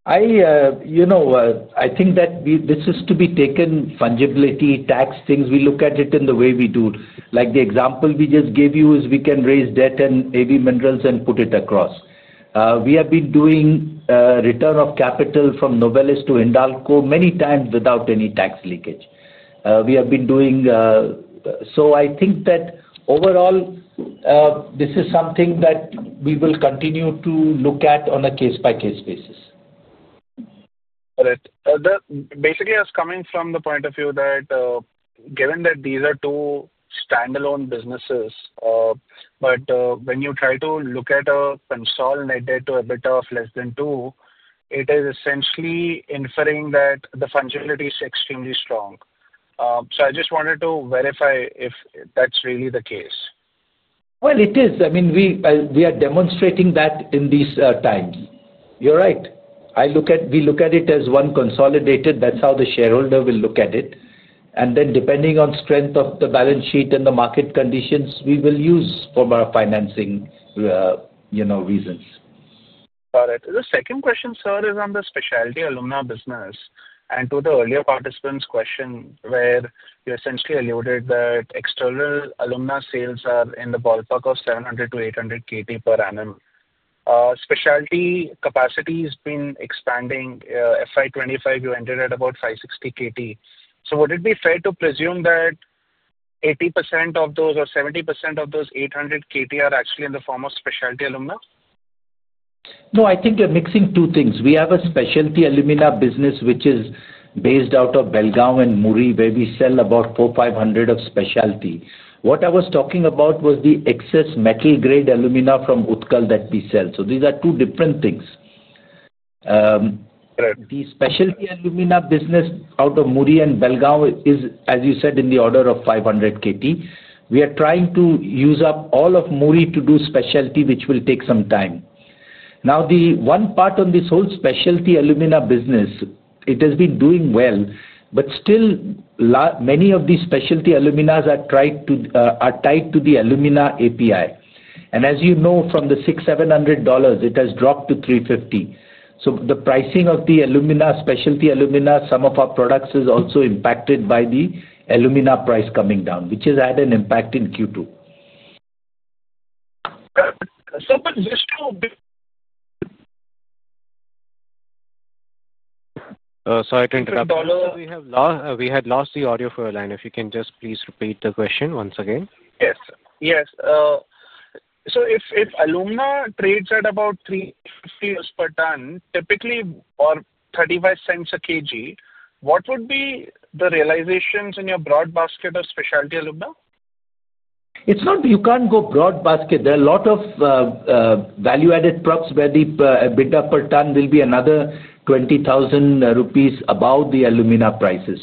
Speaker 14: regulation standpoint?
Speaker 3: I think that this is to be taken fungibility tax things. We look at it in the way we do. The example we just gave you is we can raise debt and AV minerals and put it across. We have been doing return of capital from Novelis to Hindalco many times without any tax leakage. We have been doing so. I think that overall, this is something that we will continue to look at on a case-by-case basis.
Speaker 14: Basically, I was coming from the point of view that given that these are two standalone businesses, but when you try to look at a consolidated EBITDA of less than 2x, it is essentially inferring that the fungibility is extremely strong. I just wanted to verify if that's really the case.
Speaker 3: It is. I mean, we are demonstrating that in these times. You're right. We look at it as one consolidated. That's how the shareholder will look at it. Then depending on strength of the balance sheet and the market conditions, we will use for our financing reasons.
Speaker 14: Got it. The second question, sir, is on the specialty alumina business. To the earlier participant's question where you essentially alluded that external alumina sales are in the ballpark of 700 kt-800 kt per annum, specialty capacity has been expanding. FY 2025, you entered at about 560 kt. Would it be fair to presume that 80% of those or 70% of those 800 kt are actually in the form of specialty alumina?
Speaker 3: No, I think you're mixing two things. We have a specialty alumina business which is based out of Belgaum and Muri, where we sell about 400 kt-500 kt of specialty. What I was talking about was the excess metal-grade alumina from Utkal that we sell. These are two different things. The specialty alumina business out of Muri and Belgaum is, as you said, in the order of 500 kt. We are trying to use up all of Muri to do specialty, which will take some time. Now, the one part on this whole specialty alumina business, it has been doing well, but still, many of these specialty aluminas are tied to the alumina API. As you know, from the $600-$700, it has dropped to $350. The pricing of the specialty alumina, some of our products, is also impacted by the alumina price coming down, which has had an impact in Q2.
Speaker 1: Sorry to interrupt. We had lost the audio for a line. If you can just please repeat the question once again.
Speaker 14: Yes. Yes. If alumina trades at about $350 per ton, typically, or $0.35 a kg, what would be the realizations in your broad basket of specialty alumina?
Speaker 3: You cannot go broad basket. There are a lot of value-added props where the EBITDA per ton will be another 20,000 rupees above the alumina prices.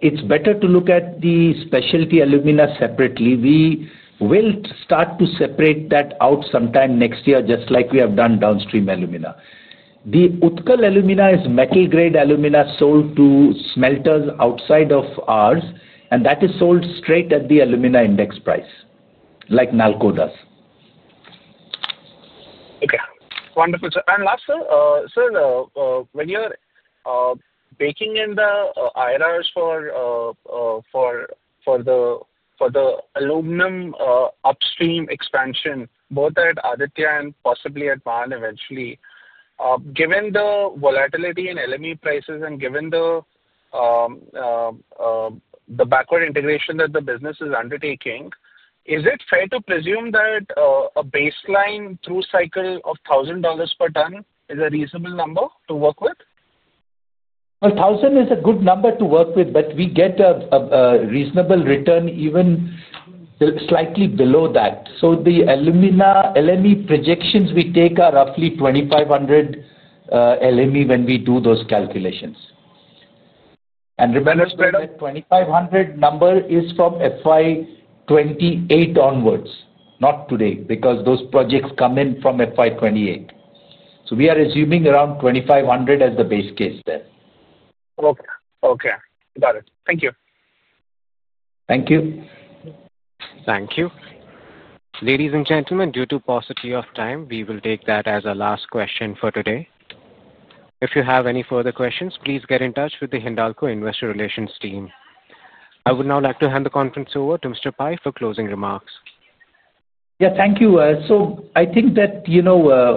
Speaker 3: It's better to look at the specialty alumina separately. We will start to separate that out sometime next year, just like we have done downstream alumina. The Utkal alumina is metal-grade alumina sold to smelters outside of ours, and that is sold straight at the alumina index price, like NALCO does.
Speaker 14: Okay. Wonderful. Last, sir, when you're baking in the IRRs for the aluminum upstream expansion, both at Aditya and possibly at Mahan, eventually, given the volatility in LME prices and given the backward integration that the business is undertaking, is it fair to presume that a baseline through cycle of $1,000 per ton is a reasonable number to work with?
Speaker 3: $1,000 is a good number to work with, but we get a reasonable return even slightly below that. The LME projections we take are roughly $2,500 LME when we do those calculations. Remember that $2,500 number is from FY 2028 onwards, not today, because those projects come in from FY 2028. We are assuming around $2,500 as the base case there.
Speaker 14: Okay. Okay. Got it. Thank you.
Speaker 3: Thank you.
Speaker 1: Thank you. Ladies and gentlemen, due to paucity of time, we will take that as our last question for today. If you have any further questions, please get in touch with the Hindalco investor relations team. I would now like to hand the conference over to Mr. Pai for closing remarks.
Speaker 3: Yeah. Thank you. I think that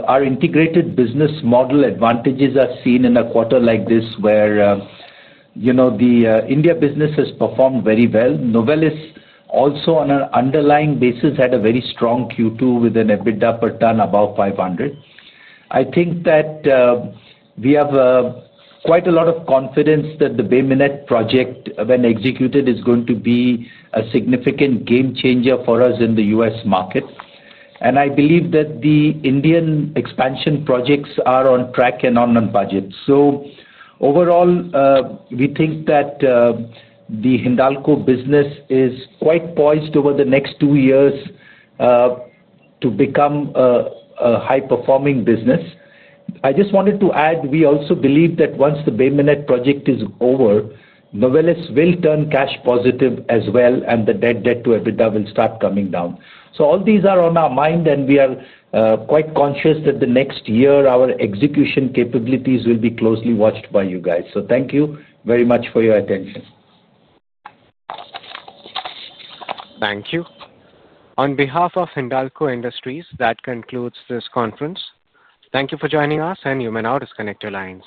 Speaker 3: our integrated business model advantages are seen in a quarter like this where the India business has performed very well. Novelis, also on an underlying basis, had a very strong Q2 with an EBITDA per ton above $500. I think that we have quite a lot of confidence that the Bay Minette project, when executed, is going to be a significant game changer for us in the U.S. market. I believe that the Indian expansion projects are on track and on budget. Overall, we think that the Hindalco business is quite poised over the next two years to become a high-performing business. I just wanted to add, we also believe that once the Bay Minette project is over, Novelis will turn cash positive as well, and the debt to EBITDA will start coming down. All these are on our mind, and we are quite conscious that the next year, our execution capabilities will be closely watched by you guys. Thank you very much for your attention.
Speaker 1: Thank you. On behalf of Hindalco Industries, that concludes this conference. Thank you for joining us, and you may now disconnect your lines.